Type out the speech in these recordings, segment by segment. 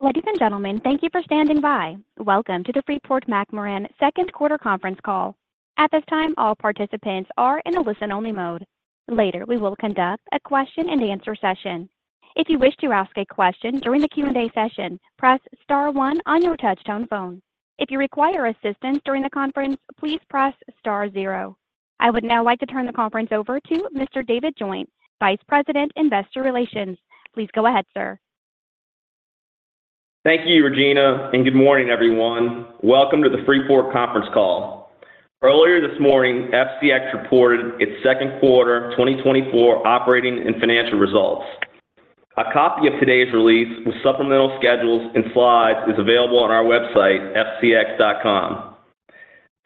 Ladies and gentlemen, thank you for standing by. Welcome to the Freeport-McMoRan second quarter conference call. At this time, all participants are in a listen only mode. Later we will conduct a question and answer session. If you wish to ask a question during the Q&A session, press star one on your touchtone phone. If you require assistance during the conference, please press star zero. I would now like to turn the conference over to Mr. David Joint, Vice President, Investor Relations. Please go ahead, sir. Thank you, Regina, and good morning, everyone. Welcome to the Freeport conference call. Earlier this morning, FCX reported its second quarter 2024 operating and financial results. A copy of today's release with supplemental schedules and slides is available on our website, fcx.com.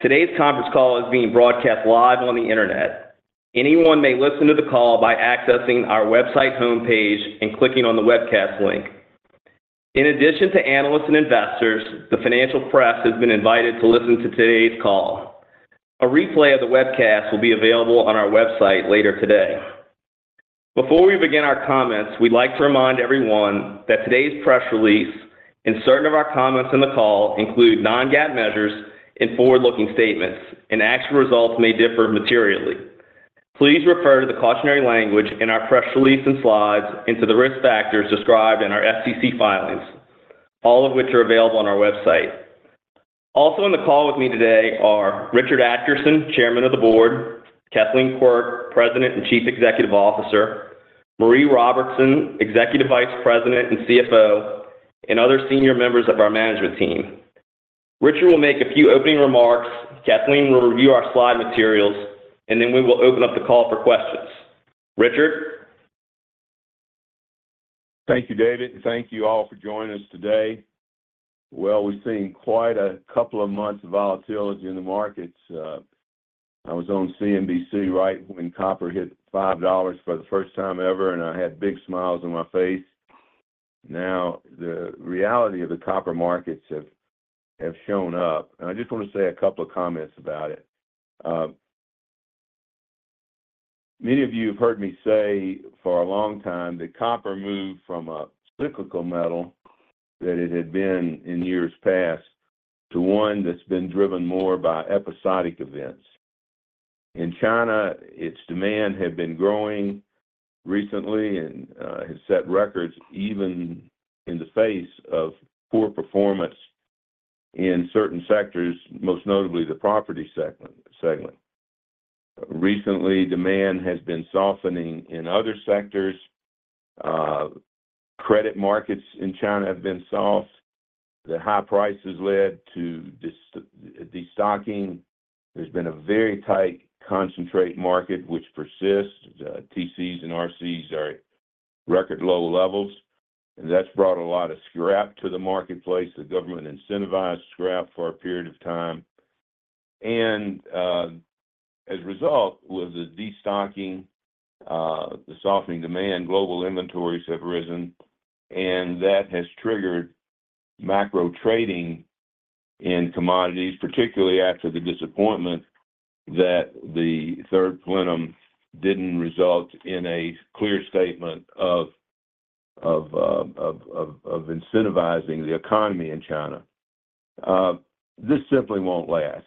Today's conference call is being broadcast live on the Internet. Anyone may listen to the call by accessing our website homepage and clicking on the webcast link. In addition to analysts and investors, the financial press has been invited to listen to today's call. A replay of the webcast will be available on our website later today. Before we begin our comments, we'd like to remind everyone that today's press release and certain of our comments in the call include non-GAAP measures and forward-looking statements, and actual results may differ materially. Please refer to the cautionary language in our press release and slides into the risk factors described in our SEC filings, all of which are available on our website. Also on the call with me today are Richard Adkerson, Chairman of the Board, Kathleen Quirk, President and CEO, Maree Robertson, EVP and CFO, and other senior members of our management team. Richard will make a few opening remarks. Kathleen will review our slide materials and then we will open up the call for questions. Richard? Thank you, David. Thank you all for joining us today. Well, we've seen quite a couple of months of volatility in the markets. I was on CNBC right when copper hit $5 for the first time ever and I had big smiles on my face. Now the reality of the copper markets have shown up and I just want to say a couple of comments about it. Many of you have heard me say for a long time that copper moved from a cyclical metal that it had been in years past to one that's been driven more by episodic events in China. Its demand had been growing recently and has set records even in the face of poor performance in certain sectors, most notably the property segment. Recently demand has been softening in other sectors. Credit markets in China have been soft. The high prices led to destocking. There's been a very tight concentrate market which persists. TCs and RCs are at record low levels and that's brought a lot of scrap to the marketplace. The government incentivized scrap for a period of time and as a result was the destocking, the softening demand. Global inventories have risen and that has triggered macro trading in commodities. Particularly after the disappointment that the third plenum didn't result in a clear statement of incentivizing the economy in China. This simply won't last.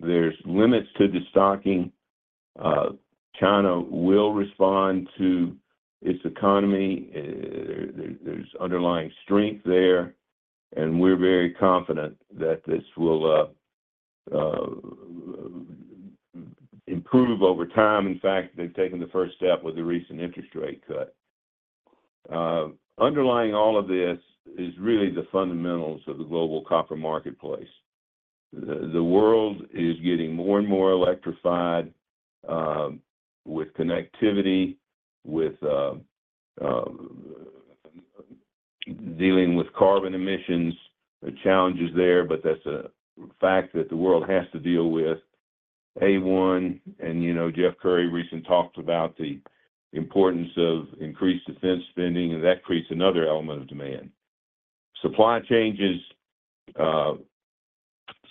There's limits to destocking. China will respond to its economy. There's underlying strength there and we're very confident that this will improve over time. In fact they've taken the first step with the recent interest rate cut. Underlying all of this is really the fundamentals of the global copper marketplace. The world is getting more and more electrified with connectivity, with dealing with carbon emissions challenges there. But that's a fact that the world has to deal with a one and you know Jeff Currie recently talked about the, the importance of increased defense spending and that creates another element of demand supply changes,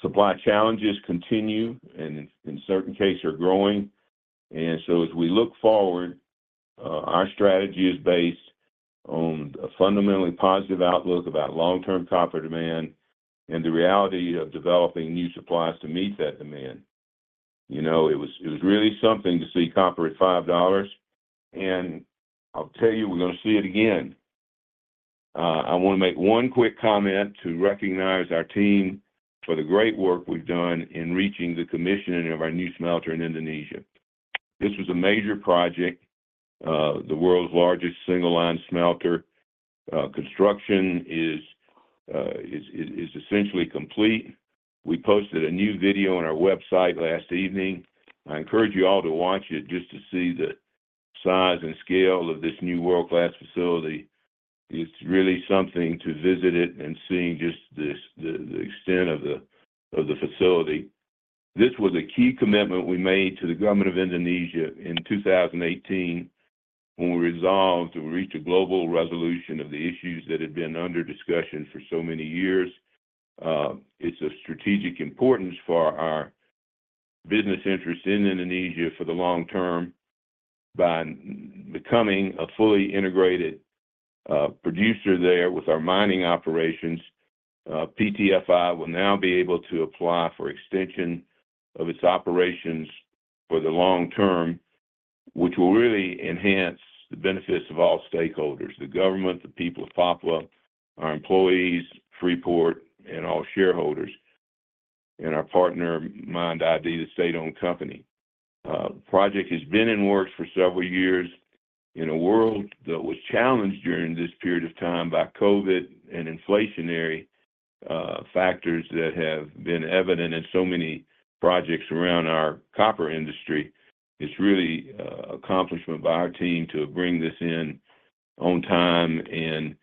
supply challenges continue and in certain cases are growing. So as we look forward our strategy is based on a fundamentally positive outlook about long term copper demand and the reality of developing new supplies to meet that demand. You know it was, it was really something to see copper at $5. And I'll tell you we're going to see it again. I want to make one quick comment to recognize our team for the great work we've done in reaching the commissioning of our new smelter in Indonesia. This was a major project. The world's largest single line smelter construction is essentially complete. We posted a new video on our website last evening. I encourage you all to watch it. Just to see the size and scale of this new world class facility. It's really something to visit it and seeing just the extent of the facility. This was a key commitment we made to the government of Indonesia in 2018 when we resolved to reach a global resolution of the issues that had been under discussion for so many years. It's a strategic importance for our business interest in Indonesia for the long term. By becoming a fully integrated producer there with our mining operations, PT-FI will now be able to apply for extension of its operations for the long term which will really enhance the benefits of all stakeholders. The government, the people of Papua, our employees, Freeport and all shareholders and our partner MIND ID, the state-owned company. The project has been in the works for several years in a world that was challenged during this period of time by COVID and inflationary factors that have been evident in so many projects around our copper industry. It's really an accomplishment by our team to bring this in on time and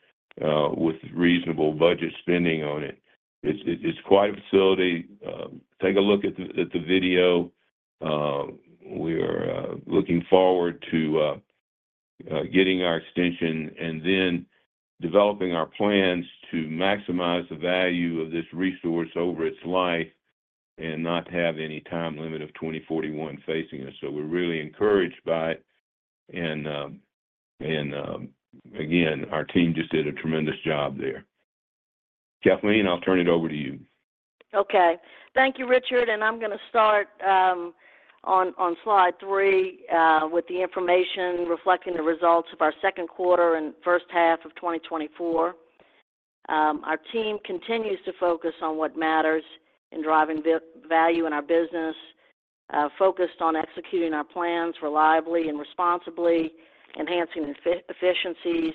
with reasonable budget spending on it. It's quite a facility. Take a look at the video. We are looking forward to getting our extension and then developing our plans to maximize the value of this resource over its life and not have any time limit of 2041 facing us. So we're really encouraged by it. And again, our team just did a tremendous job there. Kathleen, I'll turn it over to you. Okay, thank you Richard. I'm going to start on slide three with the information reflecting the results of our second quarter and first half of 2024. Our team continues to focus on what matters in driving value in our business. Focused on executing our plans reliably and responsibly, enhancing efficiencies,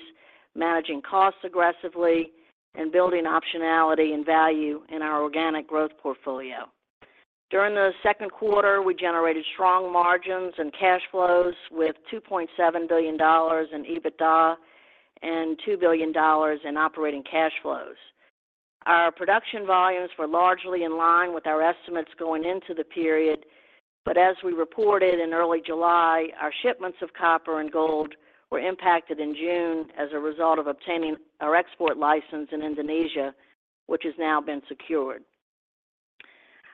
managing costs aggressively and building optionality and value in our organic growth portfolio. During the second quarter we generated strong margins and cash flows with $2.7 billion in EBITDA, and $2 billion in operating cash flows. Our production volumes were largely in line with our estimates going into the period and but as we reported in early July, our shipments of copper and gold were impacted in June as a result of obtaining our export license in Indonesia, which has now been secured.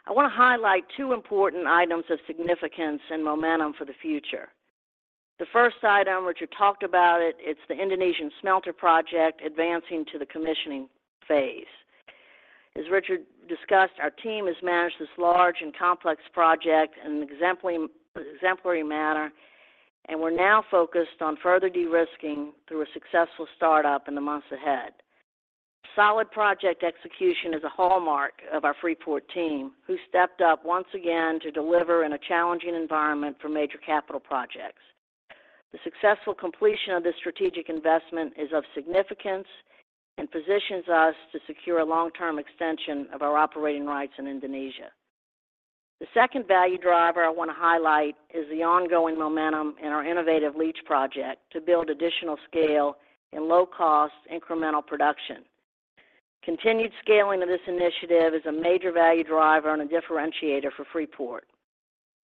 I want to highlight two important items of significance and momentum for the future. The first item Richard talked about, it's the Indonesian smelter project advancing to the commissioning phase. As Richard discussed, our team has managed this large and complex project in an exemplary manner and we're now focused on further de risking through a successful startup in the months ahead. Solid project execution is a hallmark of our Freeport team who stepped up once again to deliver in a challenging environment for major capital projects. The successful completion of this strategic investment is of significance and positions us to secure a long term extension of our operating rights in Indonesia. The second value driver I want to highlight is the ongoing momentum in our innovative leach project to build additional scale in low cost incremental production. Continued scaling of this initiative is a major value driver and a differentiator for Freeport.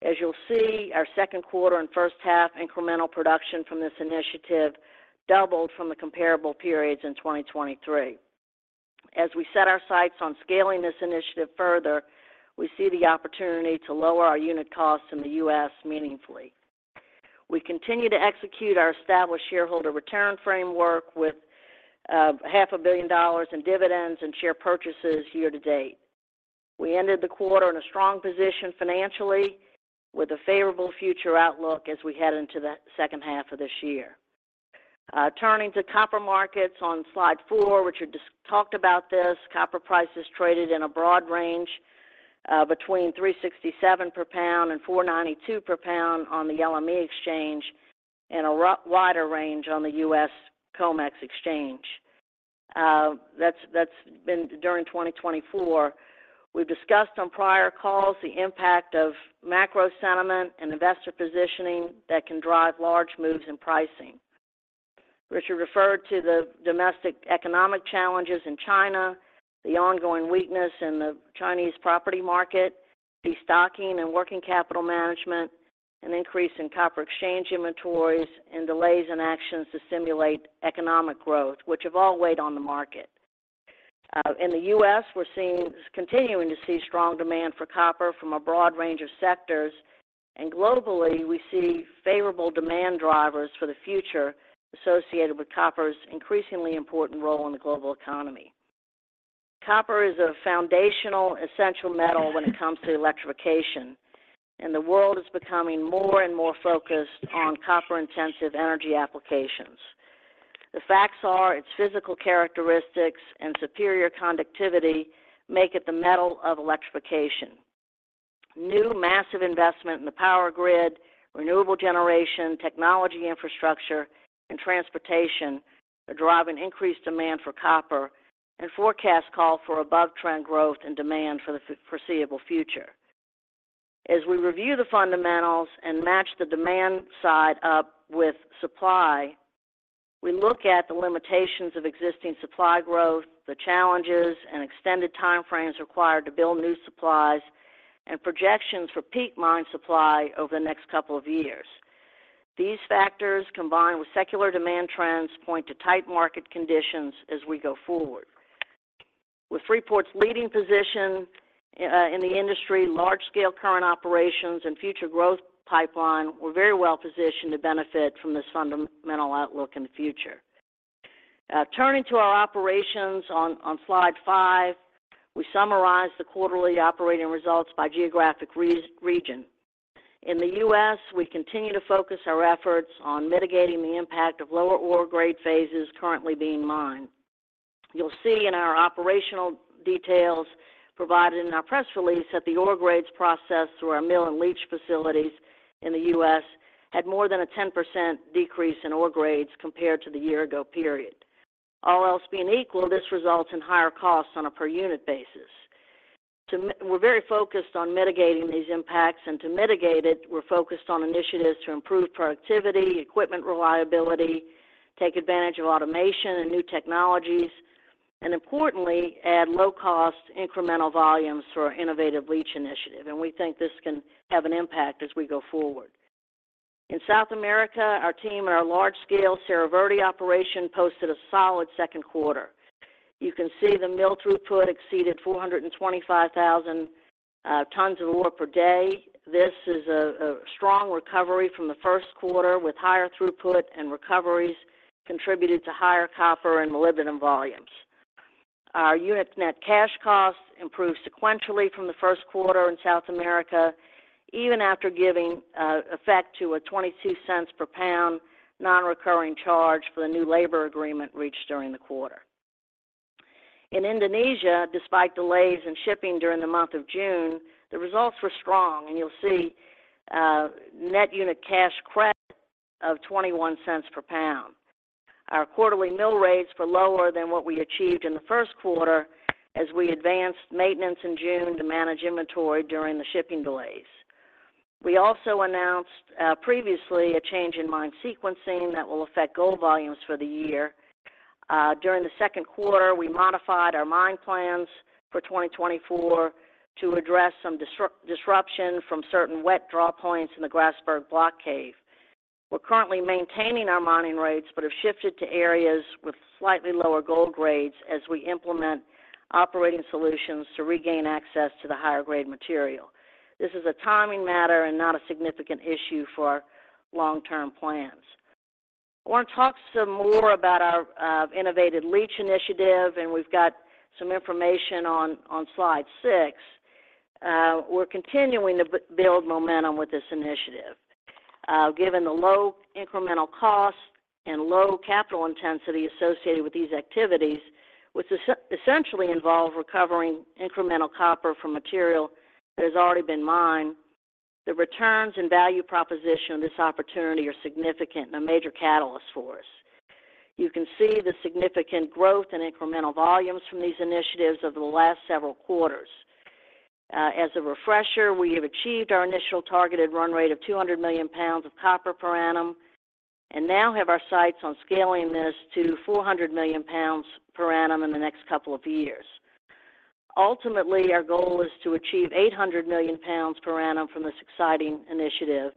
As you'll see, our second quarter and first half incremental production from this initiative doubled from the comparable periods in 2023. As we set our sights on scaling this initiative further, we see the opportunity to lower our unit costs in the U.S. meaningfully. We continue to execute our established shareholder return framework with $500 million in dividends and share purchases year-to-date. We ended the quarter in a strong position financially with a favorable future outlook as we head into the second half of this year. Turning to copper markets on slide four, Richard just talked about this. Copper prices traded in a broad range between $3.67 per pound and $4.92 per pound on the LME exchange and a wider range on the U.S. COMEX exchange. That's been during 2024. We've discussed on prior calls the impact of macro sentiment and investor positioning that can drive large moves in pricing. Richard referred to the domestic economic challenges in China, the ongoing weakness in the Chinese property market, destocking and working capital management, an increase in copper exchange inventories, and delays in actions to stimulate economic growth which have all weighed on the market. In the U.S. we're continuing to see strong demand for copper from a broad range of sectors and globally we see favorable demand drivers for the future associated with copper's increasingly important role in the global economy. Copper is a foundational essential metal when it comes to electrification and the world is becoming more and more focused on copper intensive energy applications. The facts are its physical characteristics and superior conductivity make it the metal of electrification. New massive investment in the power grid, renewable generation, technology, infrastructure and transportation are driving increased demand for copper, and forecasts call for above-trend growth in demand for the foreseeable future. As we review the fundamentals and match the demand side up with supply, we look at the limitations of existing supply growth, the challenges and extended timeframes required to build new supplies and projections for peak mine supply over the next couple of years. These factors combined with secular demand trends point to tight market conditions as we go forward. With Freeport's leading position in the industry, large-scale current operations and future growth pipeline, we're very well positioned to benefit from this fundamental outlook in the future. Turning to our operations on slide five, we summarized the quarterly operating results by geographic region. In the U.S. we continue to focus our efforts on mitigating the impact of lower ore grade phases currently being mined. You'll see in our operational details provided in our press release that the ore grades processed through our mill and leach facilities in the U.S. had more than a 10% decrease in ore grades compared to the year-ago period. All else being equal, this results in higher costs on a per unit basis. We're very focused on mitigating these impacts and to mitigate it we're focused on initiatives to improve productivity, equipment reliability, take advantage of automation and new technologies, and importantly add low-cost incremental volumes for our innovative leach initiative and we think this can have an impact as we go forward. In South America, our team and our large-scale Cerro Verde operation posted a solid second quarter. You can see the mill throughput exceeded 425,000 tons of ore per day. This is a strong recovery from the first quarter with higher throughput and recoveries contributed to higher copper and molybdenum volumes. Our unit net cash costs improved sequentially from the first quarter in South America even after giving effect to a $0.22 per pound non-recurring charge for the new labor agreement reached during the quarter in Indonesia. Despite delays in shipping during the month of June, the results were strong and you'll see net unit cash credit of $0.21 per pound. Our quarterly mill rates were lower than what we achieved in the first quarter as we advanced maintenance in June to manage inventory during the shipping delays. We also announced previously a change in mine sequencing that will affect gold volumes for the year. During the second quarter, we modified our mine plans for 2024 to address some disruption from certain wet draw points in the Grasberg Block Cave. We're currently maintaining our mining rates but have shifted to areas with slightly lower gold grades as we implement operating solutions to regain access to the higher grade material. This is a timing matter and not a significant issue for long term plans. I want to talk some more about our innovative leach initiative and we've got some information on slide six. We're continuing to build momentum with this initiative given the low incremental cost and low capital intensity associated with these activities, which essentially involve recovering incremental copper from material that has already been mined. The returns and value proposition of this opportunity are significant and a major catalyst for us. You can see the significant growth and incremental volumes from these initiatives over the last several quarters. As a refresher, we have achieved our initial targeted run rate of 200 million pounds of copper per annum and now have our sights on scaling this to 400 million pounds per annum in the next couple of years. Ultimately, our goal is to achieve 800 million pounds per annum from this exciting initiative.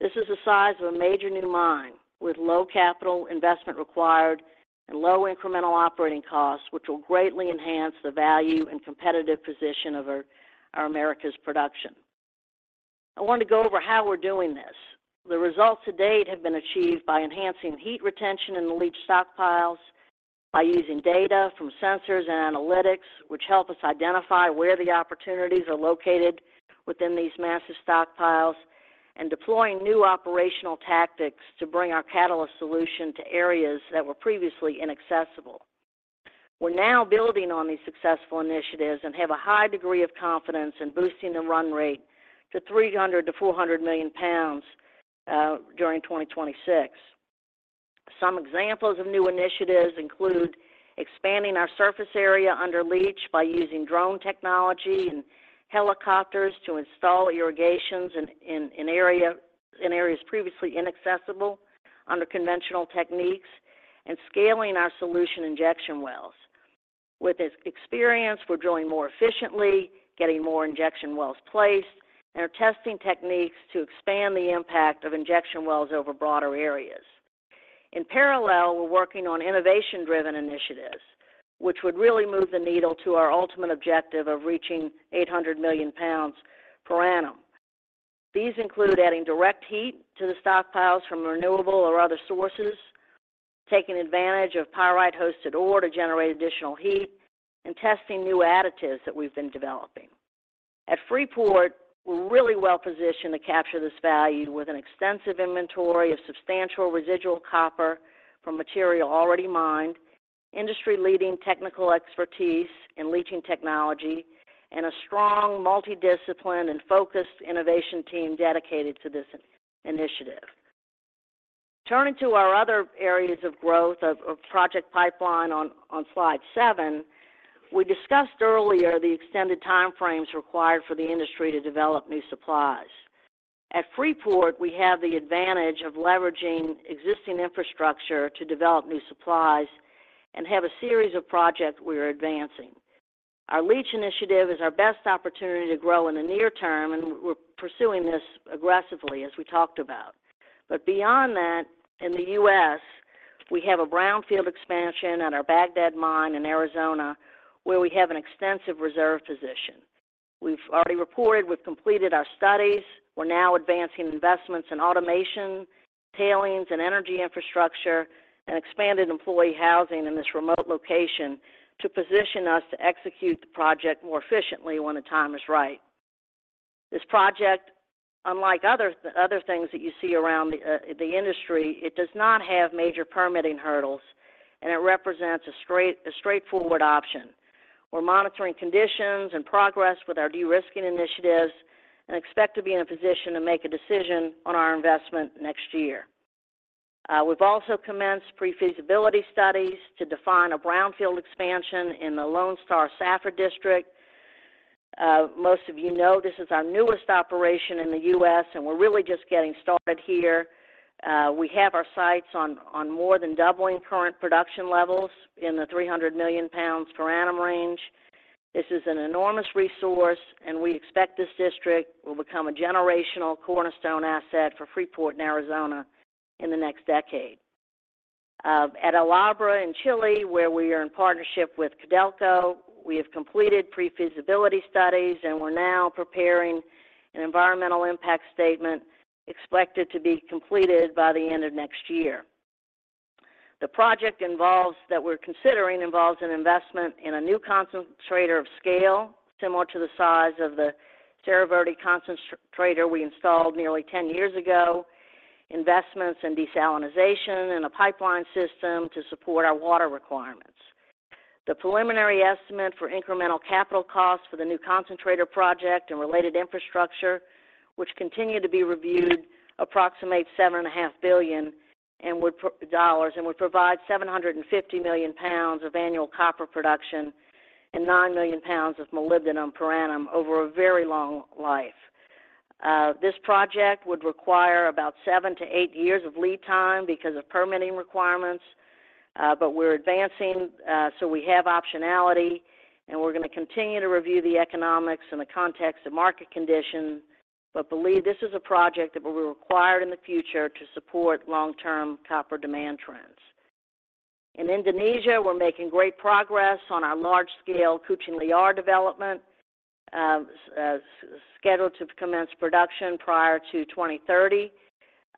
This is the size of a major new mine with low capital investment required and low incremental operating costs which will greatly enhance the value and competitive position of our Americas production. I wanted to go over how we're doing this. The results to date have been achieved by enhancing heat retention in the leach stockpiles by using data from sensors and analytics which help us identify where the opportunities are located within these massive stockpiles and deploying new operational tactics to bring our catalyst solution to areas that were previously inaccessible. We're now building on these successful initiatives and have a high degree of confidence in boosting the run rate to 300 million-400 million pounds during 2026. Some examples of new initiatives include expanding our surface area under leach by using drone technology and helicopters to install irrigations in areas previously inaccessible under conventional techniques and scaling our solution, injection wells. With experience, we're drilling more efficiently, getting more injection wells placed, and are testing techniques to expand the impact of injection wells over broader areas. In parallel, we're working on innovation-driven initiatives which would really move the needle to our ultimate objective of reaching 800 million pounds per annum. These include adding direct heat to the stockpiles from renewable or other sources, taking advantage of pyrite-hosted ore to generate additional heat, and testing new additives that we've been developing at Freeport. We're really well positioned to capture this value with an extensive inventory of substantial residual copper from material already mined, industry-leading technical expertise in leaching technology and a strong, multidisciplinary and focused innovation team dedicated to this initiative. Turning to our other areas of growth, our project pipeline on slide seven, we discussed earlier the extended time frames required for the industry to develop new supplies. At Freeport, we have the advantage of leveraging existing infrastructure to develop new supplies and have a series of projects we are advancing. Our leach initiative is our best opportunity to grow in the near term and we're pursuing this aggressively as we talked about. But beyond that, in the U.S. we have a brownfield expansion at our Bagdad mine in Arizona where we have an extensive reserve position. We've already reported, we've completed our studies. We're now advancing investments in automation, tailings and energy infrastructure and expanded employee housing in this remote location to position us to execute the project more efficiently when the time is right. This project, unlike other things that you see around the industry, it does not have major permitting hurdles and it represents a straightforward option. We're monitoring conditions and progress with our de risking initiatives and expect to be in a position to make a decision on our investment next year. We've also commenced pre-feasibility studies to define a brownfield expansion in the Lone Star Safford district. Most of you know this is our newest operation in the U.S. and we're really just getting started here. We have our sites on more than doubling current production levels in the 300 million pounds per annum range. This is an enormous resource and we expect this district will become a generational cornerstone asset for Freeport in Arizona in the next decade. At El Abra in Chile, where we are in partnership with Codelco. We have completed pre-feasibility studies and we're now preparing an environmental impact statement expected to be completed by the end of next year. The project that we're considering involves an investment in a new concentrator of scale similar to the size of the Cerro Verde concentrator we installed nearly 10 years ago. Investments in desalination and a pipeline system to support our water requirements. The preliminary estimate for incremental capital costs for the new concentrator project and related infrastructure which continue to be reviewed, approximates $7.5 billion and would provide 750 million pounds of annual copper production and 9 million pounds of molybdenum per annum over a very long life. This project would require about 7-8 years of lead time because of permitting requirements, but we're advancing so we have optionality and we're going to continue to review the economics in the context of market conditions but believe this is a project that will be required in the future to support long-term copper demand trends in Indonesia. We're making great progress on our large-scale Kucing Liar development scheduled to commence production prior to 2030.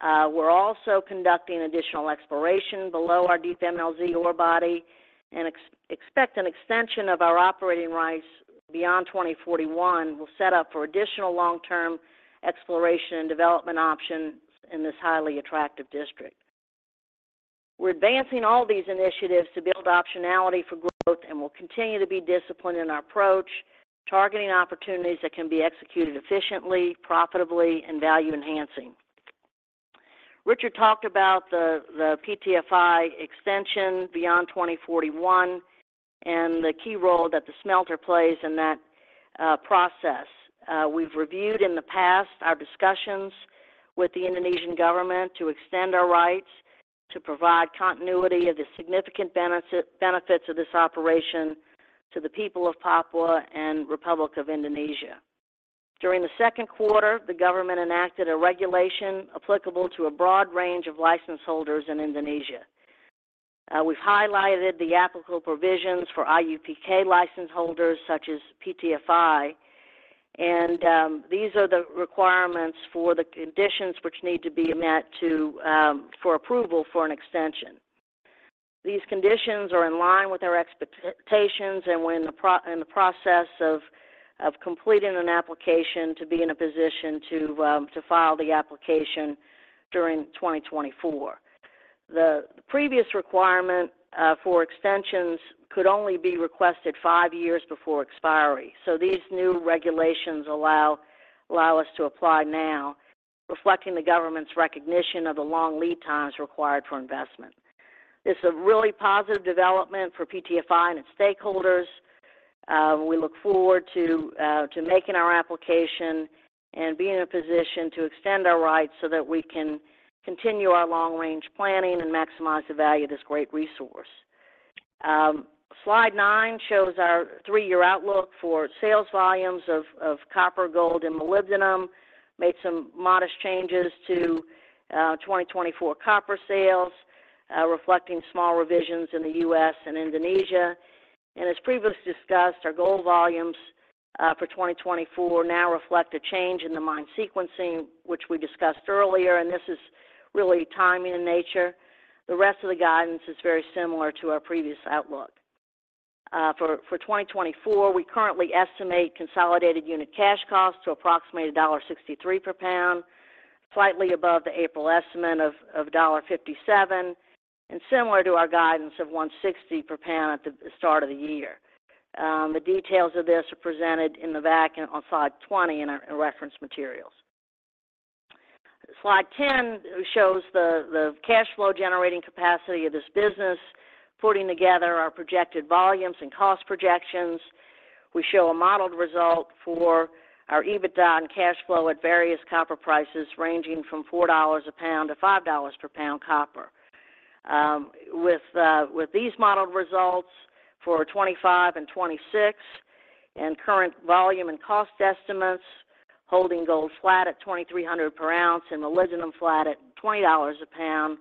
We're also conducting additional exploration below our Deep MLZ ore body and expect an extension of our operating rights beyond 2041. Will set up for additional long term exploration and development options in this highly attractive district. We're advancing all these initiatives to build optionality for growth and we'll continue to be disciplined in our approach, targeting opportunities that can be executed efficiently, profitably and value enhancing. Richard talked about the PT-FI extension beyond 2041 and the key role that the smelter plays in that process. We've reviewed in the past our discussions with the Indonesian government to extend our rights to provide continuity of the significant benefits of this operation to the people of Papua and Republic of Indonesia. During the second quarter the government enacted a regulation applicable to a broad range of license holders in Indonesia. We've highlighted the applicable provisions for IUPK license holders such as PT-FI, and these are the requirements for the conditions which need to be met for approval for an extension. These conditions are in line with our expectations, and we are in the process of completing an application to be in a position to file the application during 2024. The previous requirement for extensions could only be requested five years before expiry, so these new regulations allow us to apply now, reflecting the government's recognition of the long lead times required for investment. This is a really positive development for PT-FI and its stakeholders. We look forward to making our application and being in a position to extend our rights so that we can continue our long-range planning and maximize the value of this great resource. Slide nine shows our three-year outlook for sales. Volumes of copper, gold and molybdenum made some modest changes to 2024 copper sales reflecting small revisions in the U.S. and Indonesia. As previously discussed, our gold volumes for 2024 now reflect a change in the mine sequencing which we discussed earlier and this is really timing in nature. The rest of the guidance is very similar to our previous outlook. For 2024, we currently estimate consolidated unit cash cost to approximate $1.63 per pound, slightly above the April estimate of $1.57 and similar to our guidance of $1.60 per pound at the start of the year. The details of this are presented in the back on slide 20 in our reference materials. Slide 10 shows the cash flow generating capacity of this business. Putting together our projected volumes and cost projections, we show a modeled result for our EBITDA and cash flow at various copper prices ranging from $4-$5 per pound copper. With these modeled results for 2025 and 2026 and current volume and cost estimates holding gold flat at $2,300 per ounce and molybdenum flat at $20 a pound.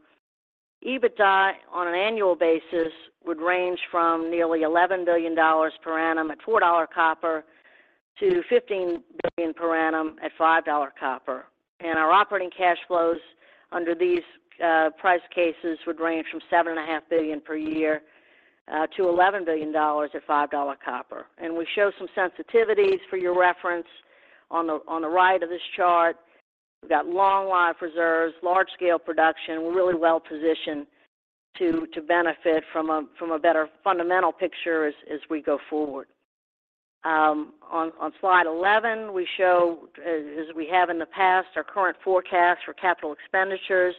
EBITDA on an annual basis would range from nearly $11 billion per annum at $4 copper to $15 billion per annum at $5 copper and our operating cash flows under these price cases would range from $7.5 billion-$11 billion at $5 copper and we show some sensitivities for your reference. On the right of this chart we've got long life reserves, large scale production. We're really well positioned to benefit from a better fundamental picture as we go forward. On slide 11, we show, as we have in the past, our current forecast for capital expenditures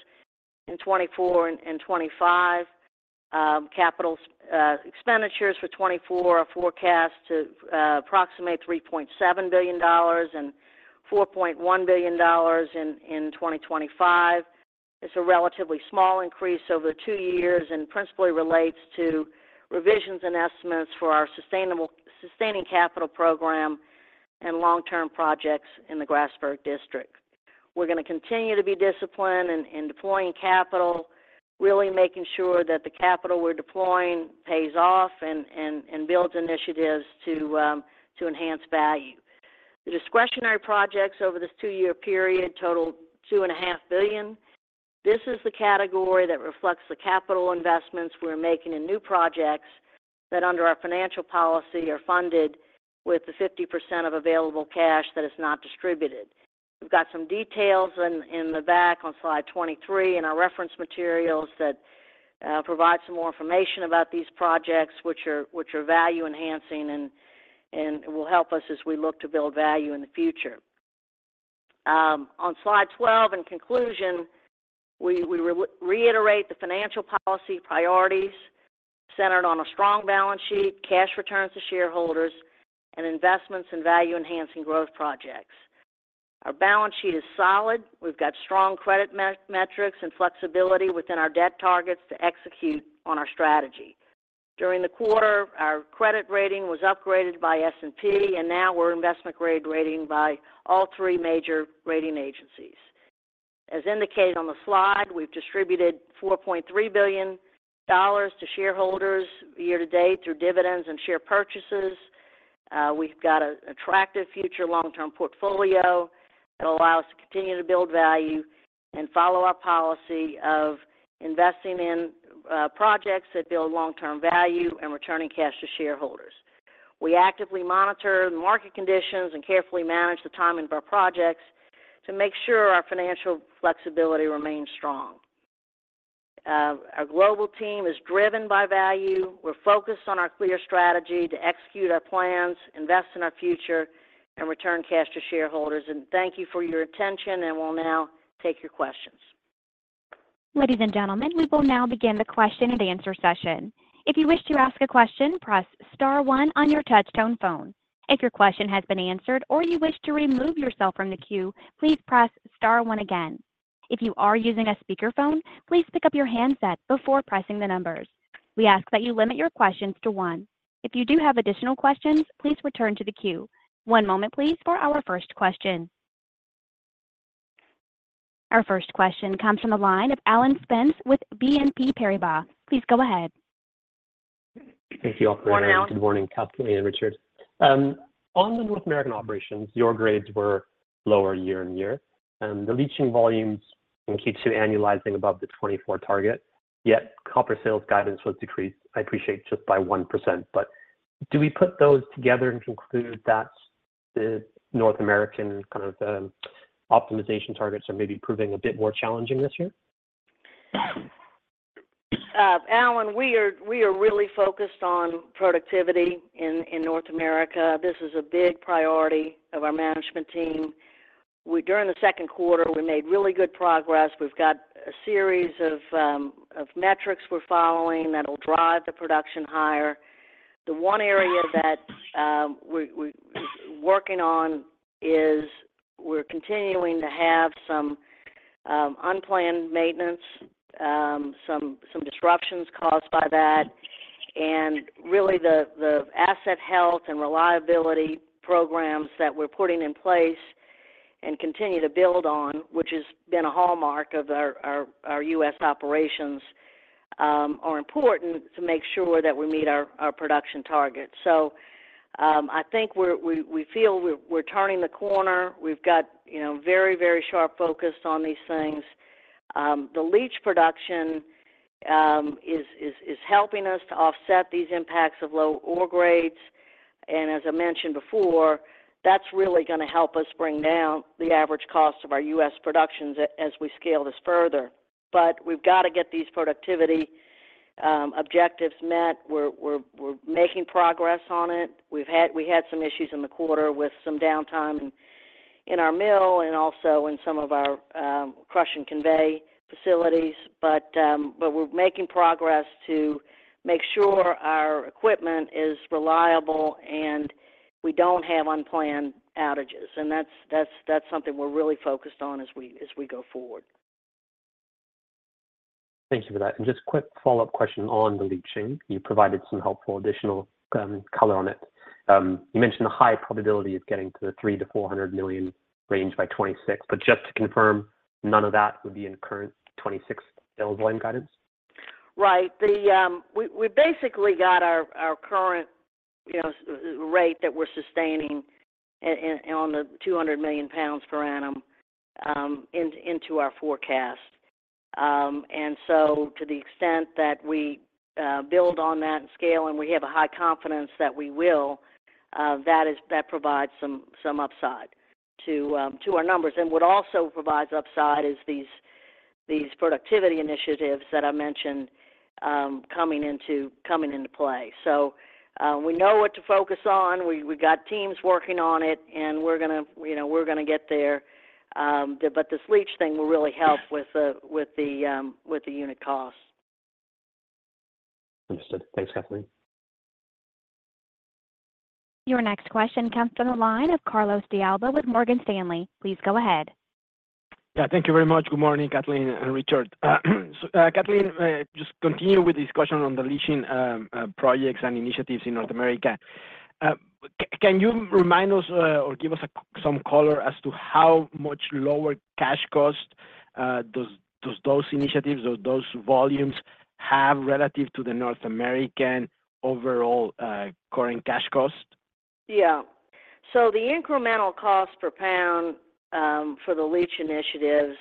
in 2024 and 2025. Capital expenditures for 2024 are forecast to approximate $3.7 billion and $4.1 billion in 2025. It's a relatively small increase over two years and principally relates to revisions and estimates for our Sustaining Capital Program and long-term projects in the Grasberg District. We're going to continue to be disciplined in deploying capital, really making sure that the capital we're deploying pays off and builds initiatives to enhance value. The discretionary projects over this two-year period total $2.5 billion. This is the category that reflects the capital investments we're making in new projects that under our financial policy are funded with the 50% of available cash that is not distributed. We've got some details in the back on slide 23 in our reference materials that provide some more information about these projects which are value enhancing and will help us as we look to build value in the future. On slide 12, in conclusion, we reiterate the financial policy priorities centered on a strong balance sheet, cash returns to shareholders and investments in value enhancing growth projects. Our balance sheet is solid. We've got strong credit metrics and flexibility within our debt targets to execute on our strategy. During the quarter our credit rating was upgraded by S&P and now we're investment grade rating by all three major rating agencies. As indicated on the slide, we've distributed $4.3 billion to shareholders year-to-date through dividends and share purchases. We've got an attractive future long term portfolio that will allow us to continue to build value and follow our policy of investing in projects that build long term value and returning cash to shareholders. We actively monitor market conditions and carefully manage the timing of our projects to make sure our financial flexibility remains strong. Our global team is driven by value. We're focused on our clear strategy to execute our plans, invest in our future and return cash to shareholders. And thank you for your attention and we'll now take your questions. Ladies and gentlemen, we will now begin the question and answer session. If you wish to ask a question, press star one on your touchtone phone. If your question has been answered or you wish to remove yourself from the queue, please press star one again. If you are using a speakerphone, please pick up your handset before pressing the numbers. We ask that you limit your questions to one. If you do have additional questions, please return to the queue. One moment please for our first question. Our first question comes from the line of Alan Spence with BNP Paribas. Please go ahead. Thank you all for good morning. Kathleen and Richard, on the North American operations, your grades were lower year-on-year and the leaching volumes in Q2 annualizing above the 2024 target. Yet copper sales guidance was decreased. I appreciate just by 1%, but do we put those together and conclude that the North American kind of optimization targets are maybe proving a bit more challenging this year? Alan, we are really focused on productivity in North America. This is a big priority of our management team. During the second quarter we made really good progress. We've got a series of metrics we're following that will drive the production higher. The one area that we're working on is we're continuing to have some unplanned maintenance, some disruptions caused by that and really the asset health and reliability programs that we're putting in place and continue to build on, which has been a hallmark of our U.S. operations, are important to make sure that we meet our production targets. So I think we feel we're turning the corner. We've got very, very sharp focus on these things. The leach production is helping us to offset these impacts of low ore grades. As I mentioned before, that's really going to help us bring down the average cost of our U.S. productions as we scale this further. We've got to get these productivity objectives met. We're making progress on it. We had some issues in the quarter with some downtime in our mill and also in some of our crush and convey facilities. We're making progress to make sure our equipment is reliable and we don't have unplanned outages. That's something we're really focused on as we go forward. Thank you for that. And just quick follow up question on the leaching, you provided some helpful additional color on it. You mentioned the high probability of getting to the 300 million-400 million range by 2026, but just to confirm, none of that would be in current 2026 volume guidance. Right. We basically got our current rate that we're sustaining on the 200 million pounds per annum into our forecast. And so to the extent that we build on that scale and we have a high confidence that we will, that provides some upside to our numbers. And what also provides upside is these productivity initiatives that I mentioned coming into play. So we know what to focus on. We got teams working on it and we're going to, you know, we're going to get there. But this leach thing will really help with the unit costs. Understood. Thanks, Kathleen. Your next question comes from the line of Carlos De Alba with Morgan Stanley. Please go ahead. Yeah, thank you very much. Good morning, Kathleen and Richard. Kathleen, just continue with discussion on the leaching projects and initiatives in North America. Can you remind us or give us some color as to how much lower cash cost does those initiatives or those volumes have relative to the North American overall current cash cost? Yeah, so the incremental cost per pound for the leach initiatives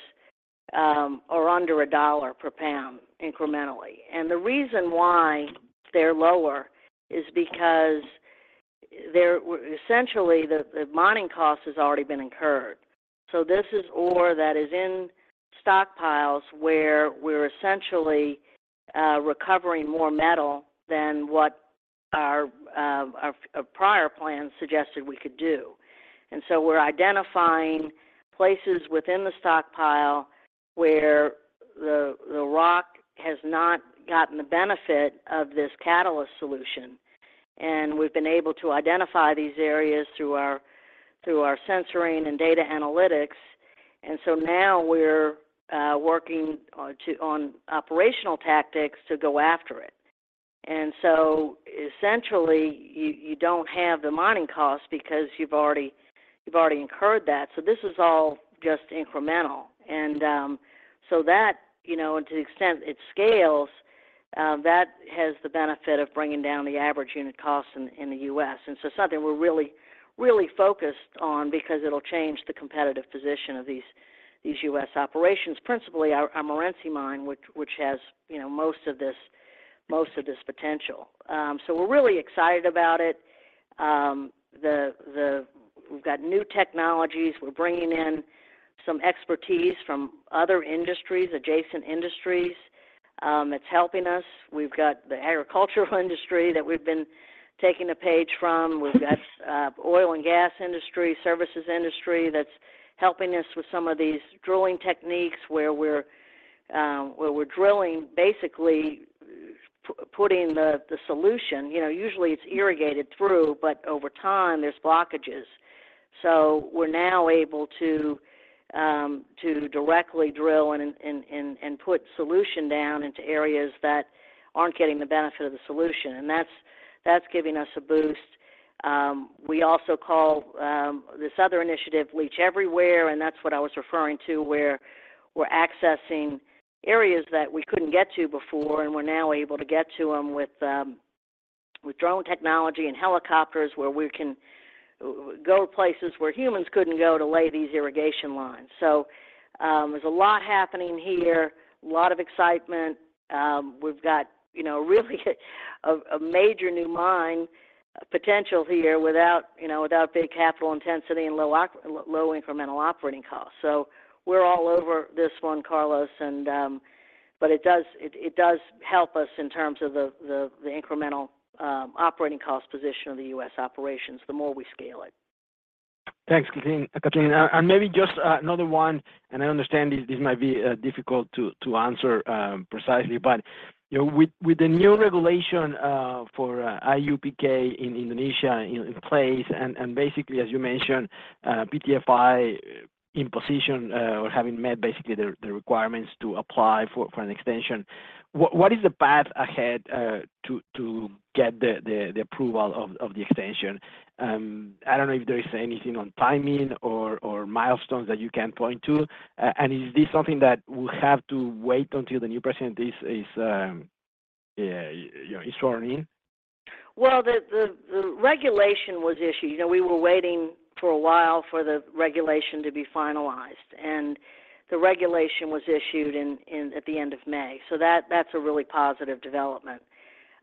are under $1 per pound incrementally. And the reason why they're lower is because essentially the mining cost has already been incurred. So this is ore that is in stockpiles where we're essentially recovering more metal than what our prior plan suggested we could do. We're identifying places within the stockpile where the rock has not gotten the benefit of this catalyst solution. We've been able to identify these areas through our sensing and data analytics. And so now we're working on operational tactics to go after it. And so essentially you don't have the mining costs because you've already incurred that. So this is all just incremental and so that, you know, to the extent it scales, that has the benefit of bringing down the average unit cost in the U.S. And so something we're really, really focused on because it'll change the competitive position of these U.S. operations, principally our Morenci Mine, which has, you know, most of this potential. So we're really excited about it. We've got new technologies, we're bringing in some expertise from other industries, adjacent industries. It's helping us. We've got the agricultural industry that we've been taking a page from. We've got oil and gas industry, services industry that's helping us with some of these drilling techniques where we're drilling, basically putting the solution, you know, usually it's irrigated through, but over time there's blockages. So we're now able to directly drill and put solution down into areas that getting the benefit of the solution and that's giving us a boost. We also call this other initiative Leach Everywhere. And that's what I was referring to, where we're accessing areas that we couldn't get to before and we're now able to get to them with drone technology and helicopters where we can go places where humans couldn't go to lay these irrigation lines. There's a lot happening here, a lot of excitement. We've got, you know, really a major new mine potential here without, you know, without big capital intensity and low incremental operating costs. So we're all over this one, Carlos. And but it does, it does help us in terms of the incremental operating cost position of the U.S. operations, the more we scale it. Thanks, Kathleen. Maybe just another one, and I understand this might be difficult to answer precisely, but with the new regulation for IUPK in Indonesia in place and basically as you mentioned, PT-FI imposition or having met basically the requirements to apply for an extension, what is the path ahead to get the approval of the extension? I don't know if there is anything on timing or milestones that you can point to. Is this something that will have to wait until the new president is. Well, the regulation was issued. You know, we were waiting for a while for the regulation to be finalized and the regulation was issued at the end of May. So that's a really positive development.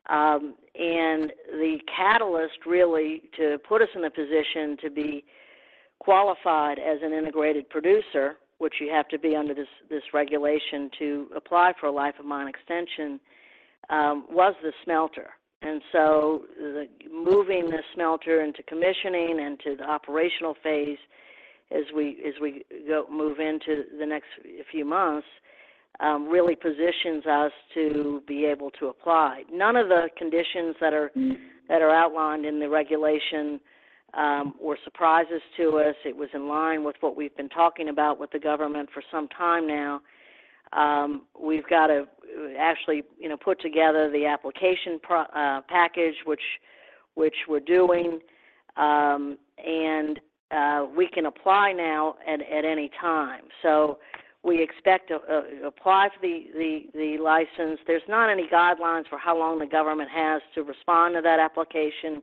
The catalyst really to put us in a position to be qualified as an integrated producer, which you have to be under this regulation, to apply for a life of mine extension was the smelter. So moving the smelter into commissioning and to the operational phase as we move into the next few months really positions us to be able to apply. None of the conditions that are outlined in the regulation were surprises to us. It was in line with what we've been talking about with the government for some time now. We've got to actually put together the application package which we're doing and we can apply now at any time. So we expect to apply for the license. There's not any guidelines for how long the government has to respond to that application.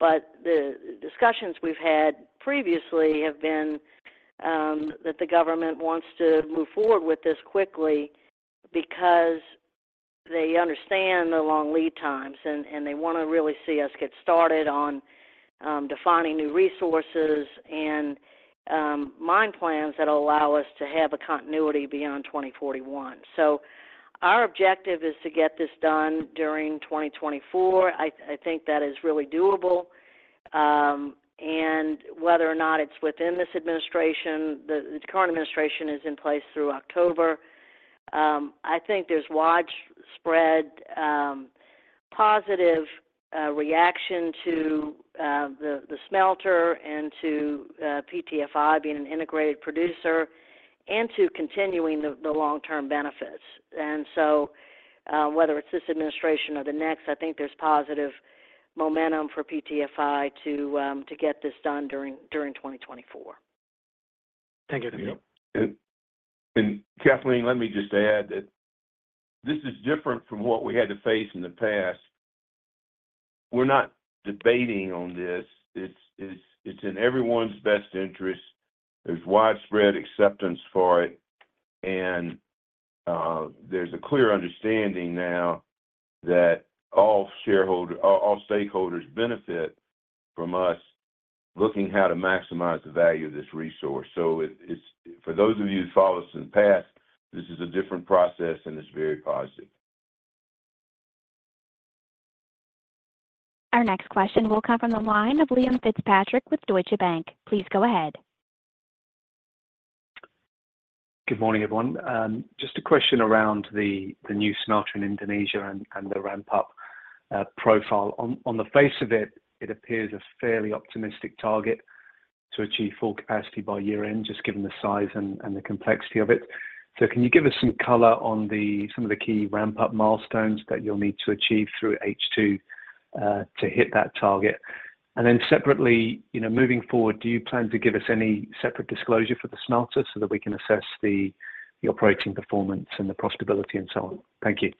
But the discussions we've had previously have been that the government wants to move forward with this quickly because they understand the long lead times and they want to really see us get started on defining new resources and mine plans that allow us to have a continuity beyond 2041. So our objective is to get this done during 2024. I think that is really doable. And whether or not it's within this administration, the current administration is in place through October. I think there's widespread positive reaction to the smelter and to PT-FI being an integrated producer and to continuing the long term benefits. And so whether it's this administration or the next, I think there's positive momentum for PT-FI to get this done during 2024. Thank you. Kathleen, let me just add that this is different from what we had to face in the past. We're not debating on this. It's in everyone's best interest. There's widespread acceptance for it and there's a clear understanding now that all shareholder, all stakeholders benefit from us looking how to maximize the value of this resource. So for those of you who follow us in-depth, this is a different process and it's very positive. Our next question will come from the line of Liam Fitzpatrick with Deutsche Bank. Please go ahead. Good morning everyone. Just a question around the new smelter in Indonesia and the ramp up program profile, on the face of it, it appears a fairly optimistic target to achieve full capacity by year end, just given the size and the complexity of it. So can you give us some color on the, some of the key ramp up milestones that you'll need to achieve through H2 to hit that target? And then separately moving forward, do you plan to give us any separate disclosure for the smelter so that we can assess the operating performance and the profitability and so on. Thank you,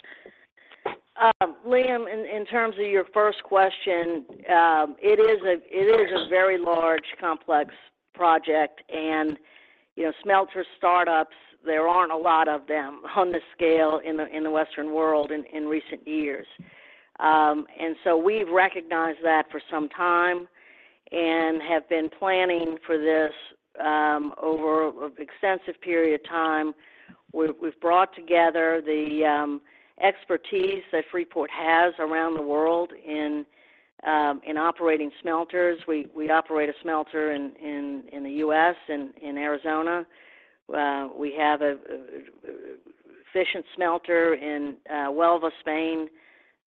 Liam. In terms of your first question. It. It's a very large, complex project and, you know, smelter startups; there aren't a lot of them on this scale in the Western world in recent years. So we've recognized that for some time and have been planning for this over extensive period of time. We've brought together the expertise that Freeport has around the world in operating smelters. We operate a smelter in the U.S. and in Arizona. We have an efficient smelter in Huelva, Spain,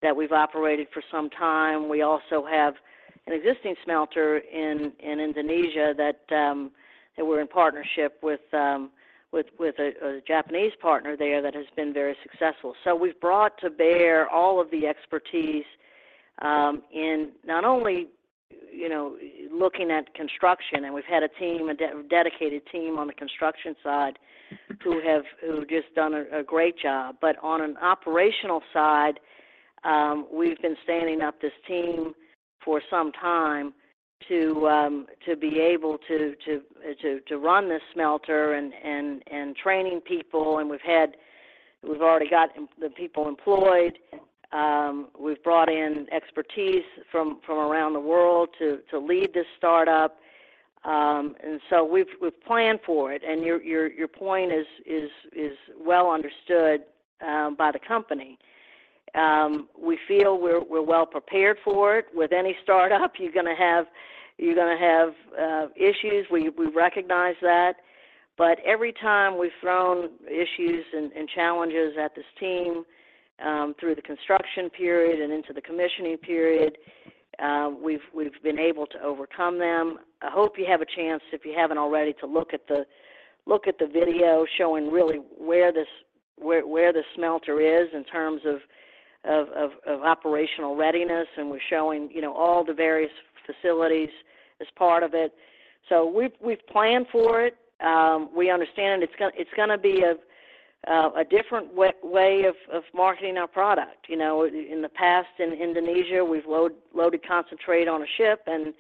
that we've operated for some time. We also have an existing smelter in Indonesia that we're in partnership with a Japanese partner there that has been very successful. So we've brought to bear all of the expertise in not only looking at construction and we've had a team, a dedicated team on the construction side who have just done a great job. But on an operational side, we've been standing up this team for some time to be able to run this smelter and training people. We've already got the people employed, we've brought in expertise from around the world to lead this startup, and so we've planned for it. Your point is well understood by the company. We feel we're well prepared for it. With any startup, you're going to have issues, we recognize that. But every time we've thrown issues and challenges at this team through the construction period and into the commissioning period, we've been able to overcome them. I hope you have a chance, if you haven't already, to look at the video showing really where this, where the smelter is in terms of operational readiness, and we're showing all the various facilities as part of it. So we've planned for it. We understand it's going to be a different way of marketing our product. In the past in Indonesia, we've loaded concentrate on a ship and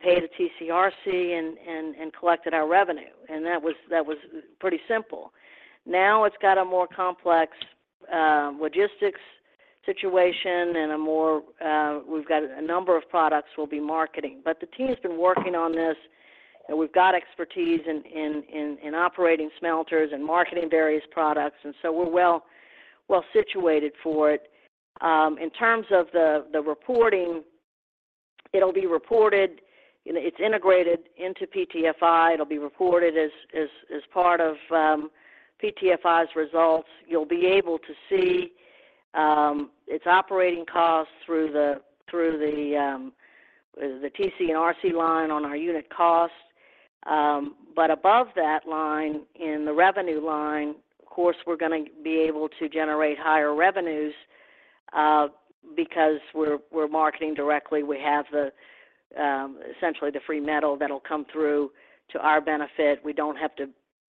paid a TC/RC and collected our revenue. That was pretty simple. Now it's got a more complex logistics situation and a more. We've got a number of products we'll be marketing, but the team has been working on this. We've got expertise in operating smelters and marketing various products. So we're well situated for it in terms of the reporting. It'll be reported, it's integrated into PT-FI, it'll be reported as part of PT-FI's results. You'll be able to see its operating costs through the TC/RC line on our unit cost, but above that line in the revenue line, of course we're going to be able to generate higher revenues because we're marketing directly. We have essentially the free metal that will come through to our benefit. We don't have to